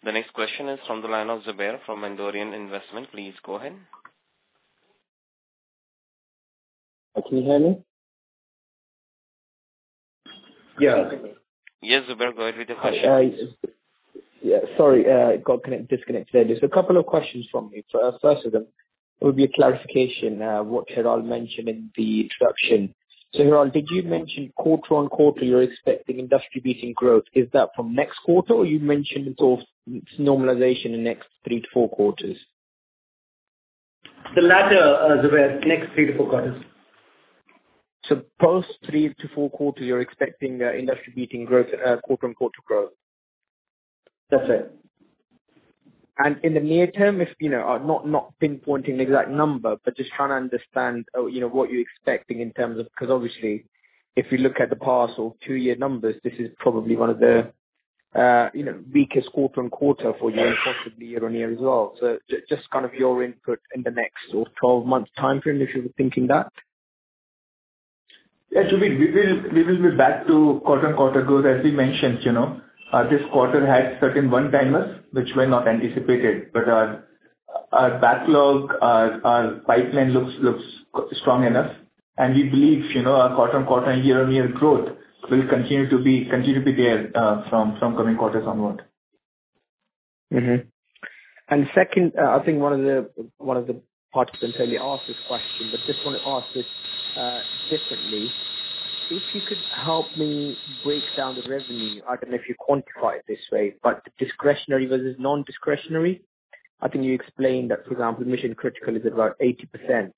The next question is from the line of Zubeyr from Mondrian Investment. Please go ahead. Can you hear me? Yes, Zubair, go ahead with the question, please. Yeah. Sorry, got disconnected there. There's a couple of questions from me. First of them will be a clarification, what Hiral mentioned in the introduction. Hiral, did you mention quarter-on-quarter, you're expecting industry-beating growth? Is that from next quarter? Or you mentioned sort of its normalization in next three to four quarters? The latter, Zubeyr. Next three to four quarters. Post three to four quarters, you're expecting industry-beating growth, quarter-on-quarter growth? That's it. In the near term, if you know not pinpointing the exact number, but just trying to understand, you know, what you're expecting in terms of. Because obviously if you look at the past two-year numbers, this is probably one of the, you know, weakest quarter-on-quarter for you and possibly year-on-year as well. Just kind of your input in the next sort of 12-month timeframe, if you were thinking that. Zubeyr, we will be back to quarter-on-quarter growth. As we mentioned, you know, this quarter had certain one-timers which were not anticipated. Our backlog, our pipeline looks strong enough. We believe, you know, our quarter-on-quarter and year-on-year growth will continue to be there, from coming quarters onward. Second, I think one of the participants earlier asked this question, but just wanna ask this differently. If you could help me break down the revenue, I don't know if you quantify it this way, but discretionary versus non-discretionary. I think you explained that, for example, mission-critical is about 80%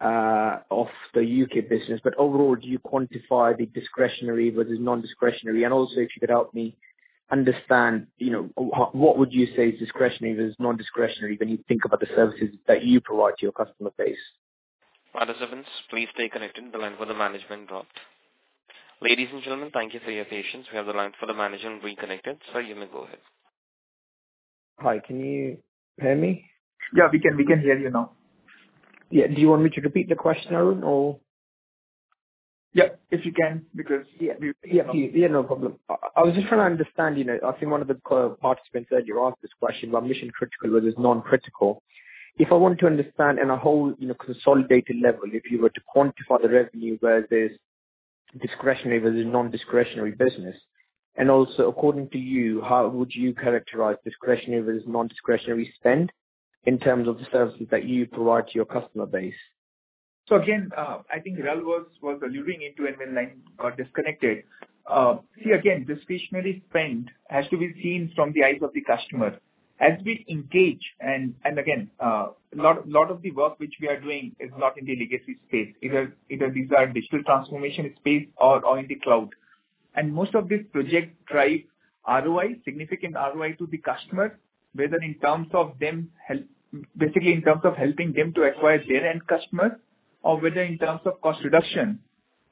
of the U.K. business. But overall, do you quantify the discretionary versus non-discretionary? And also if you could help me understand, you know, what would you say is discretionary versus non-discretionary when you think about the services that you provide to your customer base? Participants, please stay connected. The line for the management dropped. Ladies and gentlemen, thank you for your patience. We have the line for the management reconnected. Sir, you may go ahead. Hi, can you hear me? We can hear you now. Do you want me to repeat the question, Arun? If you can. I was just trying to understand, you know, I think one of the participants earlier asked this question about mission-critical versus non-critical. If I wanted to understand in a whole, you know, consolidated level, if you were to quantify the revenue where there's discretionary versus non-discretionary business. Also according to you, how would you characterize discretionary versus non-discretionary spend in terms of the services that you provide to your customer base? I think Hiral was alluding to it when line got disconnected. Discretionary spend has to be seen from the eyes of the customer. As we engage and again, lot of the work which we are doing is not in the legacy space. Either these are digital transformation space or in the cloud. Most of these projects drive ROI, significant ROI to the customer, whether in terms of helping them to acquire their end customer or in terms of cost reduction.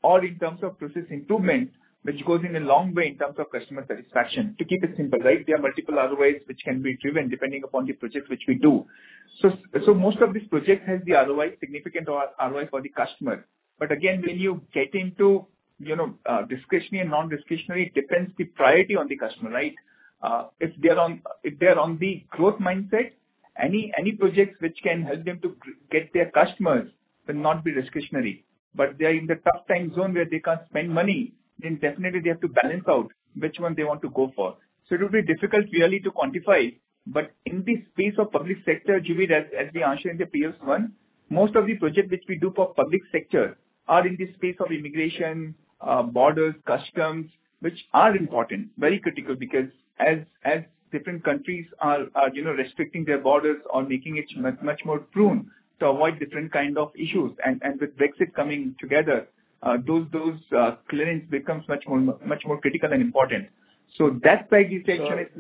In terms of process improvement, which goes a long way in terms of customer satisfaction. To keep it simple, right? There are multiple other ways which can be driven depending upon the project which we do. Most of this project has significant ROI for the customer. But again, when you get into, you know, discretionary and non-discretionary, it depends on the priority of the customer, right? If they're on the growth mindset, any projects which can help them to get their customers will not be discretionary. But if they're in the tough times where they can't spend money, then definitely they have to balance out which one they want to go for. It will be difficult really to quantify. In the space of public sector, Zubeyr, as we answered in the previous question, most of the projects which we do for public sector are in the space of immigration, borders, customs, which are important, very critical, because as different countries are, you know, restricting their borders or making it much more pruned to avoid different kind of issues. And with Brexit coming together, those clearance becomes much more critical and important. So that by distinction is-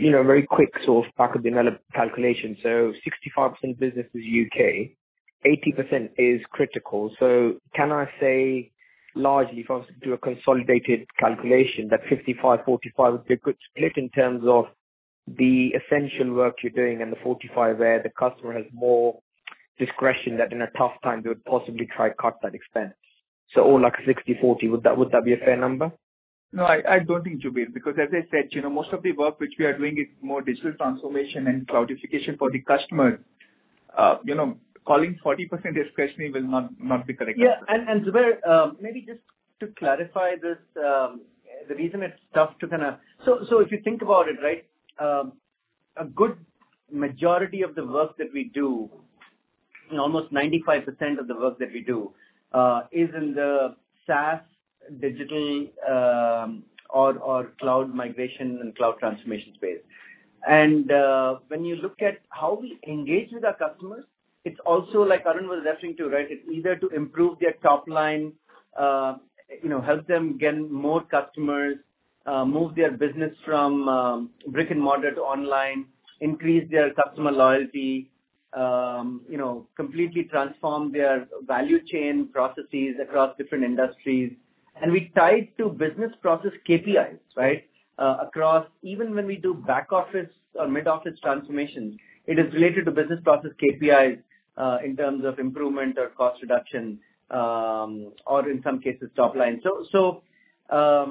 You know, very quick sort of back-of-the-envelope calculation, 65% of business is U.K., 80% is critical. Can I say largely if I was to do a consolidated calculation that 55/45 would be a good split in terms of the essential work you're doing and the 45 where the customer has more discretion that in a tough time they would possibly try to cut that expense. Or like 60/40, would that be a fair number? No, I don't think, Zubeyr, because as I said, you know, most of the work which we are doing is more digital transformation and cloudification for the customer. You know, calling 40% discretionary will not be correct. Zubeyr, maybe just to clarify this, the reason it's tough. If you think about it, right, a good majority of the work that we do, you know, almost 95% of the work that we do is in the SaaS digital or cloud migration and cloud transformation space. When you look at how we engage with our customers, it's also like Arun was referring to, right? It's either to improve their top line, you know, help them get more customers, move their business from brick and mortar to online, increase their customer loyalty, you know, completely transform their value chain processes across different industries. We tie it to business process KPIs, right? Across even when we do back office or mid-office transformations, it is related to business process KPIs in terms of improvement or cost reduction, or in some cases top line. I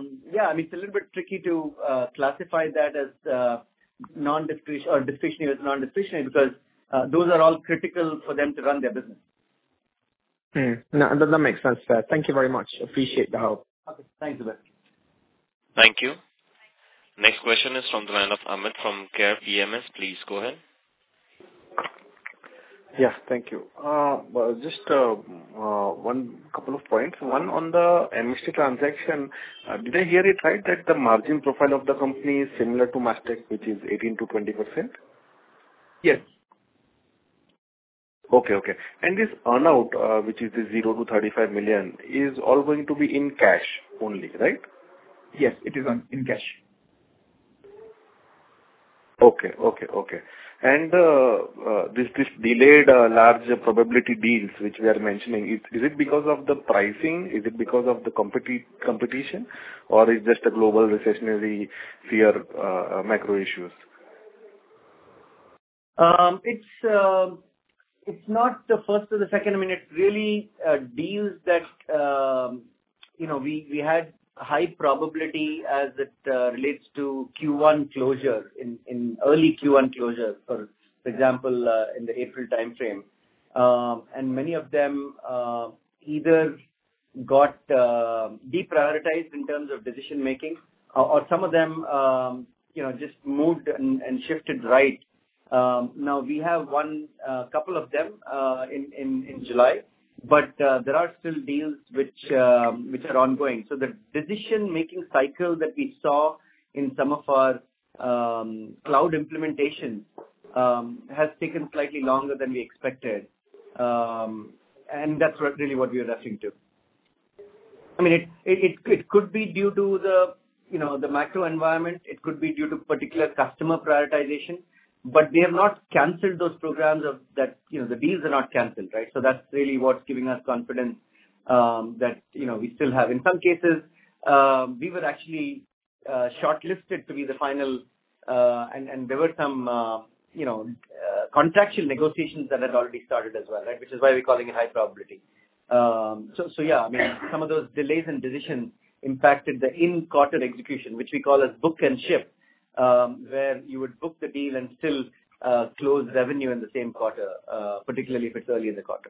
mean, it's a little bit tricky to classify that as non-discretionary or discretionary because those are all critical for them to run their business. No, that does make sense, fair. Thank you very much. Appreciate the help. Okay. Thanks, Zubeyr. Thank you. Next question is from the line of Amit from Care PMS. Please go ahead. Yeah. Thank you. Just one couple of points. One on the MST transaction, did I hear it right that the margin profile of the company is similar to Mastek, which is 18%-20%? Yes. Okay. This earn-out, which is the zero to $35 million, is all going to be in cash only, right? It is in cash. Okay. This delayed larger probability deals which we are mentioning, is it because of the pricing? Is it because of the competition or just a global recessionary fear, macro issues? It's not the first or the second minute really, deals that, you know, we had high probability as it relates to Q1 closure in early Q1 closure, for example, in the April timeframe. Many of them either got deprioritized in terms of decision making or some of them, you know, just moved and shifted right. Now we have one couple of them in July, but there are still deals which are ongoing. The decision-making cycle that we saw in some of our cloud implementation has taken slightly longer than we expected. That's what we are referring to. I mean, it could be due to the, you know, the macro environment. It could be due to particular customer prioritization. We have not canceled those programs. You know, the deals are not canceled, right? That's really what's giving us confidence that you know we still have. In some cases, we were actually shortlisted to be the final and there were some you know contractual negotiations that had already started as well, right? Which is why we're calling it high probability. Yeah, I mean, some of those delays in decisions impacted the in-quarter execution, which we call as book and ship, where you would book the deal and still close revenue in the same quarter, particularly if it's early in the quarter.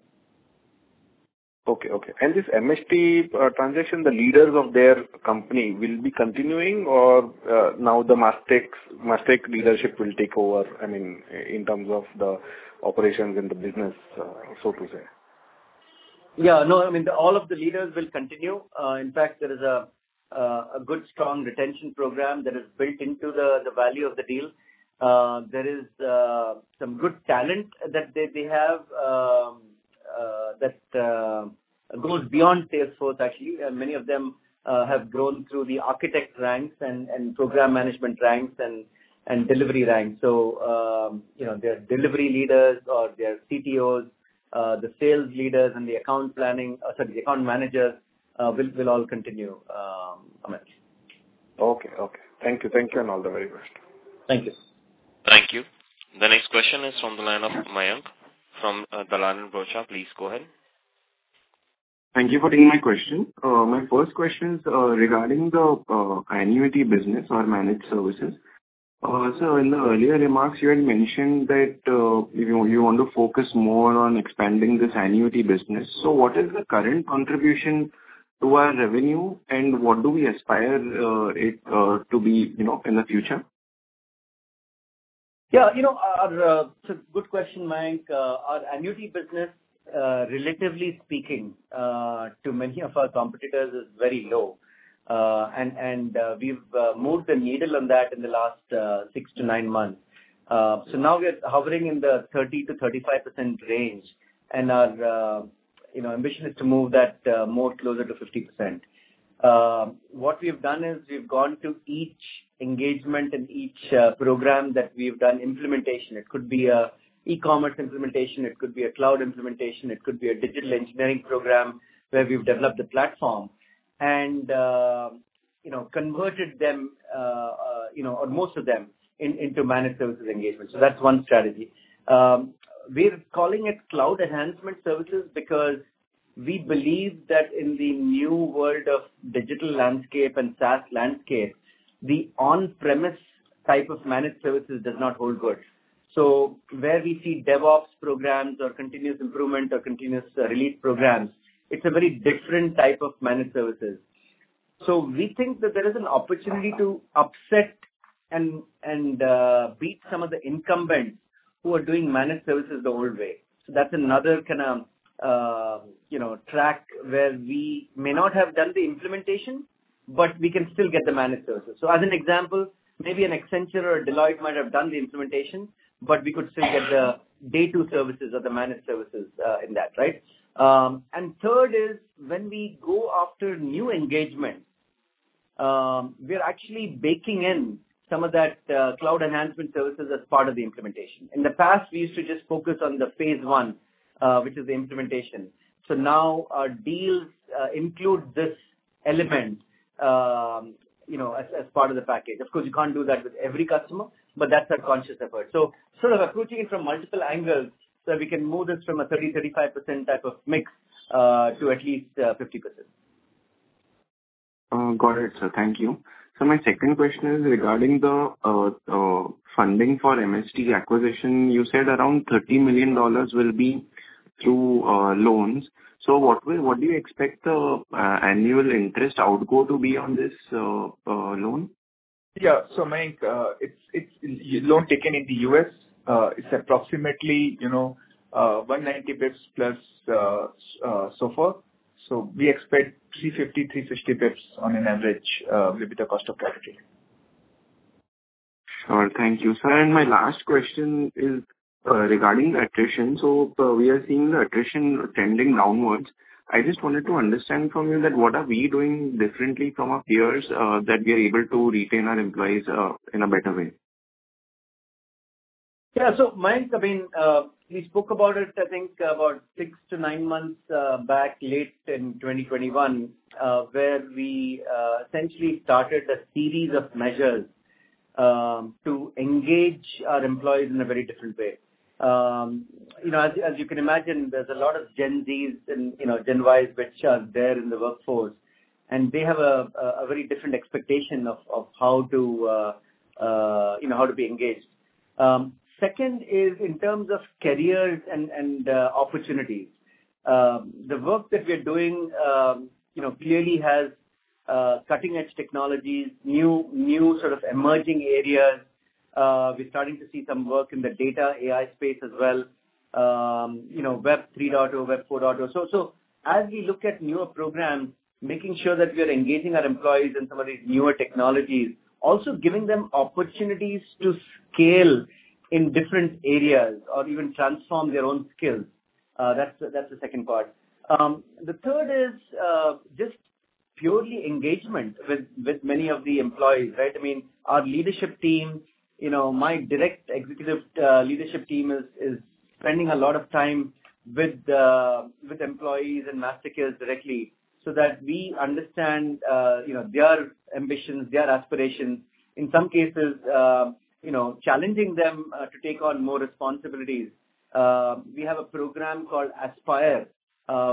This MST transition, the leaders of their company will be continuing or now Mastek leadership will take over, I mean, in terms of the operations in the business, so to say? I mean, all of the leaders will continue. In fact, there is a good strong retention program that is built into the value of the deal. There is some good talent that they have that goes beyond Salesforce actually. Many of them have grown through the architect ranks and program management ranks and delivery ranks. You know, their delivery leaders or their CTOs, the sales leaders and the account managers will all continue, Amit. Okay. Thank you and all the very best. Thank you. Thank you. The next question is from the line of Mayank from Dalal & Broacha. Please go ahead. Thank you for taking my question. My first question is regarding the annuity business or managed services. In the earlier remarks you had mentioned that you want to focus more on expanding this annuity business. What is the current contribution to our revenue and what do we aspire it to be, you know, in the future? You know, it's a good question, Mayank. Our annuity business, relatively speaking, to many of our competitors is very low. We've moved the needle on that in the last six to nine months. Now we're hovering in the 30% to 35% range. Our, you know, ambition is to move that more closer to 50%. What we've done is we've gone to each engagement and each program that we've done implementation. It could be an e-commerce implementation, it could be a cloud implementation, it could be a digital engineering program where we've developed a platform and, you know, converted them, you know, or most of them into managed services engagement. That's one strategy. We're calling it Cloud Enhancement Services because we believe that in the new world of digital landscape and SaaS landscape, the on-premise type of managed services does not hold good. Where we see DevOps programs or continuous improvement or continuous delivery programs, it's a very different type of managed services. We think that there is an opportunity to usurp and beat some of the incumbents who are doing managed services the old way. That's another kind of, you know, track where we may not have done the implementation, but we can still get the managed services. As an example, maybe an Accenture or a Deloitte might have done the implementation, but we could still get the day two services or the managed services, in that, right? Third is when we go after new engagement, we're actually baking in some of that Cloud Enhancement Services as part of the implementation. In the past, we used to just focus on the phase one, which is the implementation. Now our deals include this element, you know, as part of the package. Of course, you can't do that with every customer, but that's our conscious effort. Sort of approaching it from multiple angles, so we can move this from a 30%-35% type of mix to at least 50%. Got it, sir. Thank you. My second question is regarding the funding for MST acquisition. You said around $30 million will be through loans. What do you expect the annual interest outgo to be on this loan? Yeah. Mayank, it's loan taken in the US. It's approximately, you know, 190 basis points plus, so forth. We expect 350-360 basis points on average will be the cost of capital. All right. Thank you. Sir, and my last question is regarding attrition. We are seeing the attrition trending downwards. I just wanted to understand from you that what are we doing differently from our peers that we are able to retain our employees in a better way? Mayank, I mean, we spoke about it, I think about six to nine months back late in 2021, where we essentially started a series of measures to engage our employees in a very different way. You know, as you can imagine, there's a lot of Gen Z's and, you know, Gen Y's which are there in the workforce, and they have a very different expectation of how to, you know, how to be engaged. Second is in terms of careers and opportunities. The work that we are doing, you know, clearly has cutting-edge technologies, new sort of emerging areas. We're starting to see some work in the data AI space as well, you know, Web 3.0, Web 4.0. As we look at newer programs, making sure that we are engaging our employees in some of these newer technologies, also giving them opportunities to scale in different areas or even transform their own skills. That's the second part. The third is just purely engagement with many of the employees, right? I mean, our leadership team, you know, my direct executive leadership team is spending a lot of time with employees and Mastekeers directly so that we understand, you know, their ambitions, their aspirations. In some cases, you know, challenging them to take on more responsibilities. We have a program called Aspire,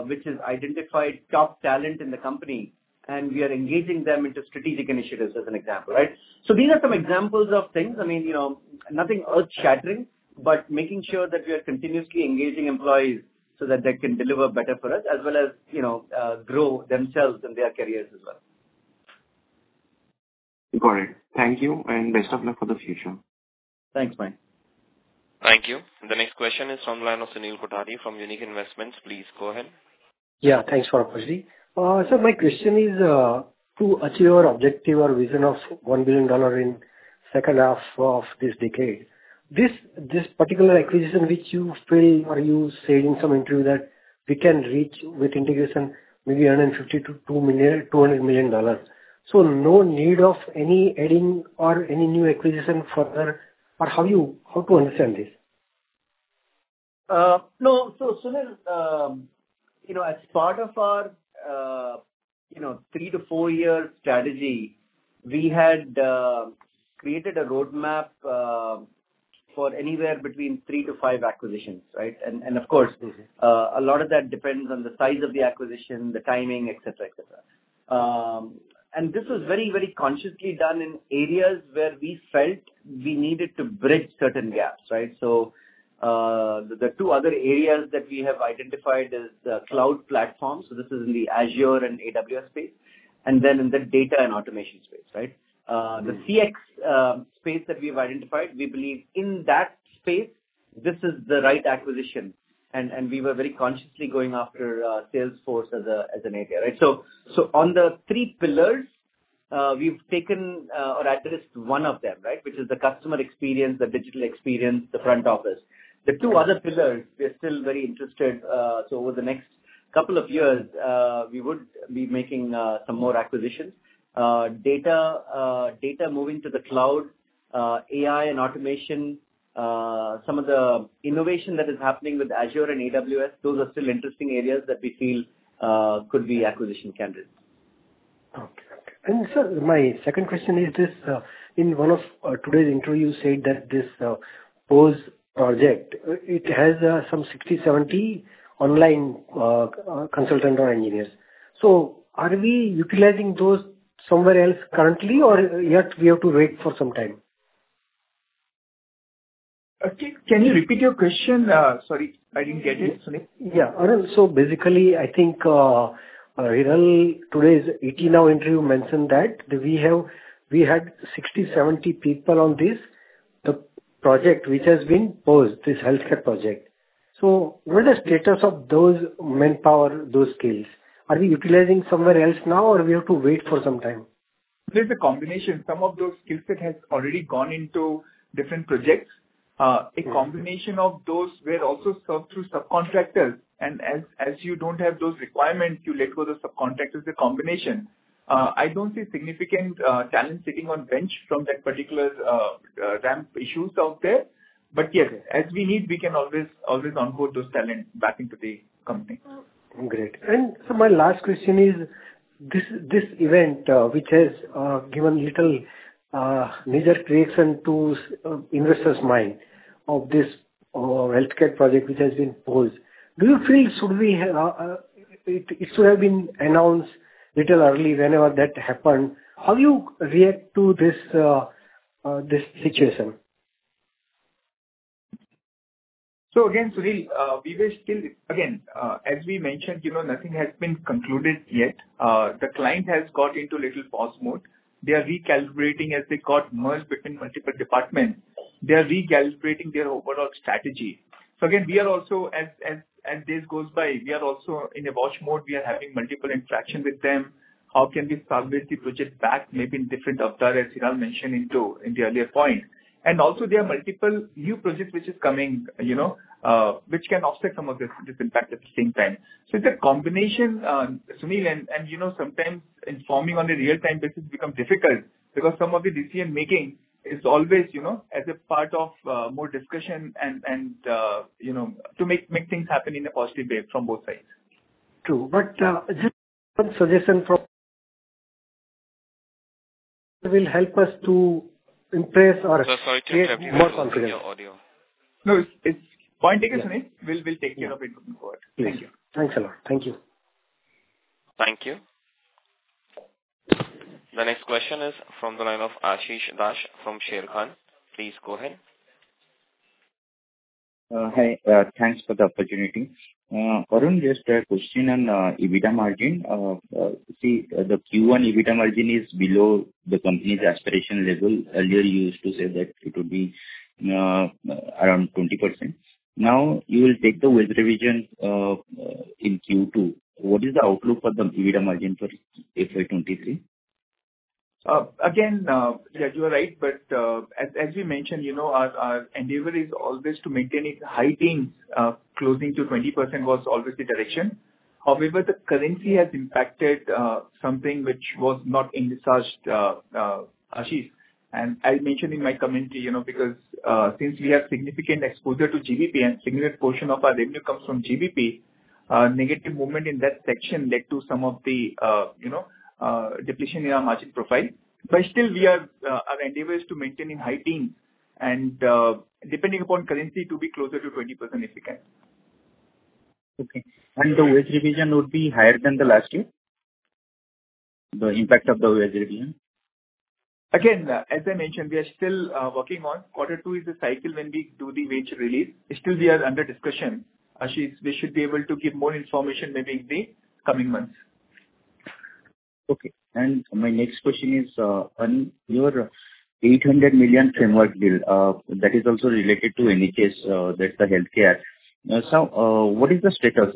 which has identified top talent in the company, and we are engaging them into strategic initiatives as an example, right? These are some examples of things. I mean, you know, nothing earth-shattering, but making sure that we are continuously engaging employees so that they can deliver better for us as well as, you know, grow themselves in their careers as well. Got it. Thank you and best of luck for the future. Thanks, Mayank. Thank you. The next question is from the line of Sunil Kothari from Unique Investments. Please go ahead. Thanks for the opportunity. My question is to achieve your objective or vision of $1 billion in second half of this decade, this particular acquisition which you feel or you said in some interview that we can reach with integration maybe $150 million-$200 million. No need of any adding or any new acquisition further or how to understand this? No. Sunil, you know, as part of our, you know, three to four-year strategy, we had created a roadmap for anywhere between three-five acquisitions, right? Of course. A lot of that depends on the size of the acquisition, the timing, et cetera, et cetera. This was very, very consciously done in areas where we felt we needed to bridge certain gaps, right? The two other areas that we have identified is the cloud platform, so this is in the Azure and AWS space, and then in the data and automation space, right? The CX space that we have identified, we believe in that space, this is the right acquisition and we were very consciously going after Salesforce as an area, right? On the three pillars, we've taken or addressed one of them, right? Which is the customer experience, the digital experience, the front office. The two other pillars, we are still very interested. Over the next couple of years, we would be making some more acquisitions. Data moving to the cloud, AI and automation, some of the innovation that is happening with Azure and AWS, those are still interesting areas that we feel could be acquisition candidates. Okay. Sir, my second question is this, in one of today's interview you said that this PaaS project it has some 60-70 online consultant or engineers. Are we utilizing those somewhere else currently or yet we have to wait for some time? Can you repeat your question? Sorry, I didn't get it, Sunil. Basically I think, Hiral, today's ET Now interview mentioned that we had 60-70 people on this, the project which has been paused, this healthcare project. What is status of those manpower, those skills? Are we utilizing somewhere else now or we have to wait for some time? There's a combination. Some of those skill set has already gone into different projects. A combination of those were also served through subcontractors and as you don't have those requirements, you let go the subcontractors, a combination. I don't see significant talent sitting on bench from that particular ramp issues out there. Yes, as we need, we can always onboard those talent back into the company. Great. My last question is this event which has given major concern to investors' minds about this healthcare project which has been paused, do you feel it should have been announced little early whenever that happened? How do you react to this situation? Sunil, as we mentioned, you know, nothing has been concluded yet. The client has got into little pause mode. They are recalculating as they got merged between multiple departments. They are recalculating their overall strategy. We are also as days goes by, we are also in a watch mode. We are having multiple interaction with them. How can we salvage the project back maybe in different avatar, as Hiral mentioned in the earlier point. There are multiple new projects which is coming, you know, which can offset some of this impact at the same time. It's a combination, Sunil, and you know, sometimes informing on a real time basis become difficult because some of the decision-making is always, you know, as a part of more discussion and you know, to make things happen in a positive way from both sides. True. Just one suggestion that will help us to impress. Sir, sorry to interrupt you. We are not able to hear your audio. Create more confidence. No. It's point taken, Sunil. We'll take care of it going forward. Thank you. Thanks a lot. Thank you. Thank you. The next question is from the line of Ashish Das from Sharekhan. Please go ahead. Hi. Thanks for the opportunity. Arun, just a question on EBITDA margin. See, the Q1 EBITDA margin is below the company's aspiration level. Earlier you used to say that it would be around 20%. Now you will take the wage revision in Q2. What is the outlook for the EBITDA margin for FY 2023? You are right, but as we mentioned, you know, our endeavor is always to maintain in high teens, close to 20% was always the direction. However, the currency has impacted something which was not envisaged, Ashish. I'll mention in my commentary, you know, because since we have significant exposure to GBP and significant portion of our revenue comes from GBP, negative movement in that section led to some of the, you know, depletion in our margin profile. Still we are, our endeavor is to maintain in high teens and, depending upon currency to be closer to 20% if we can. Okay. The wage revision would be higher than the last year? The impact of the wage revision. Again, as I mentioned, we are still working on quarter two. Quarter two is a cycle when we do the wage revision. Still, we are under discussion. Ashish, we should be able to give more information, maybe in the coming months. Okay. My next question is on your $800 million framework deal that is also related to NHS. That's the healthcare. What is the status?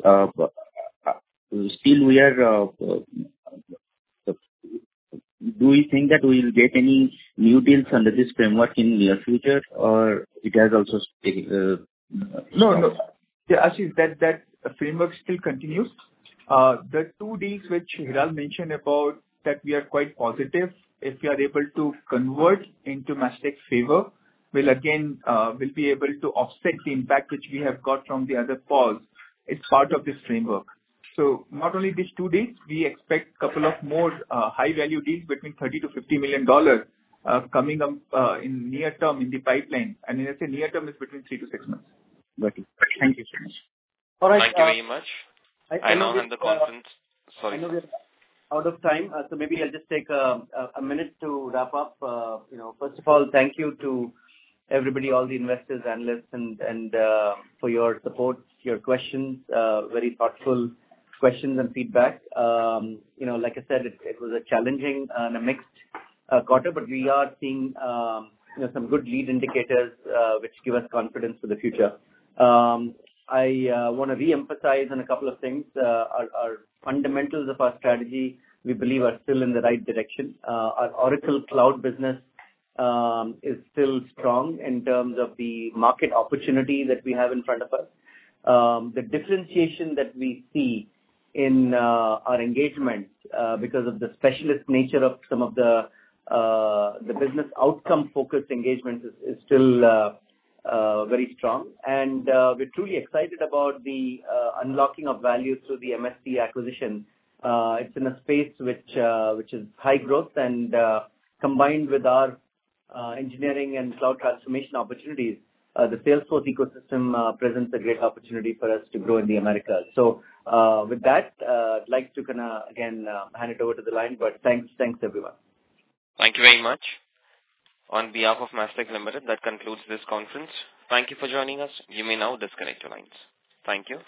Do we think that we'll get any new deals under this framework in near future or it has also Actually that framework still continues. The two deals which Hiral mentioned about that we are quite positive if we are able to convert into Mastek's favor, we'll again be able to offset the impact which we have got from the other pause. It's part of this framework. Not only these two deals, we expect couple of more high value deals between $30 million-$50 million coming up in near term in the pipeline. As I say, near term is between 3 to 6 months. Got it. Thank you so much. All right. Thank you very much. I now end the conference. Sorry. I know we are out of time, so maybe I'll just take a minute to wrap up. You know, first of all, thank you to everybody, all the investors, analysts, and for your support, your questions, very thoughtful questions and feedback. You know, like I said, it was a challenging and a mixed quarter, but we are seeing you know, some good lead indicators, which give us confidence for the future. I wanna reemphasize on a couple of things. Our fundamentals of our strategy we believe are still in the right direction. Our Oracle Cloud business is still strong in terms of the market opportunity that we have in front of us. The differentiation that we see in our engagements because of the specialist nature of some of the business outcome-focused engagements is still very strong. We're truly excited about the unlocking of value through the MST acquisition. It's in a space which is high growth and combined with our engineering and cloud transformation opportunities, the Salesforce ecosystem presents a great opportunity for us to grow in the Americas. With that, I'd like to kind of again hand it over to the line, but thanks. Thanks, everyone. Thank you very much. On behalf of Mastek Limited, that concludes this conference. Thank you for joining us. You may now disconnect your lines. Thank you.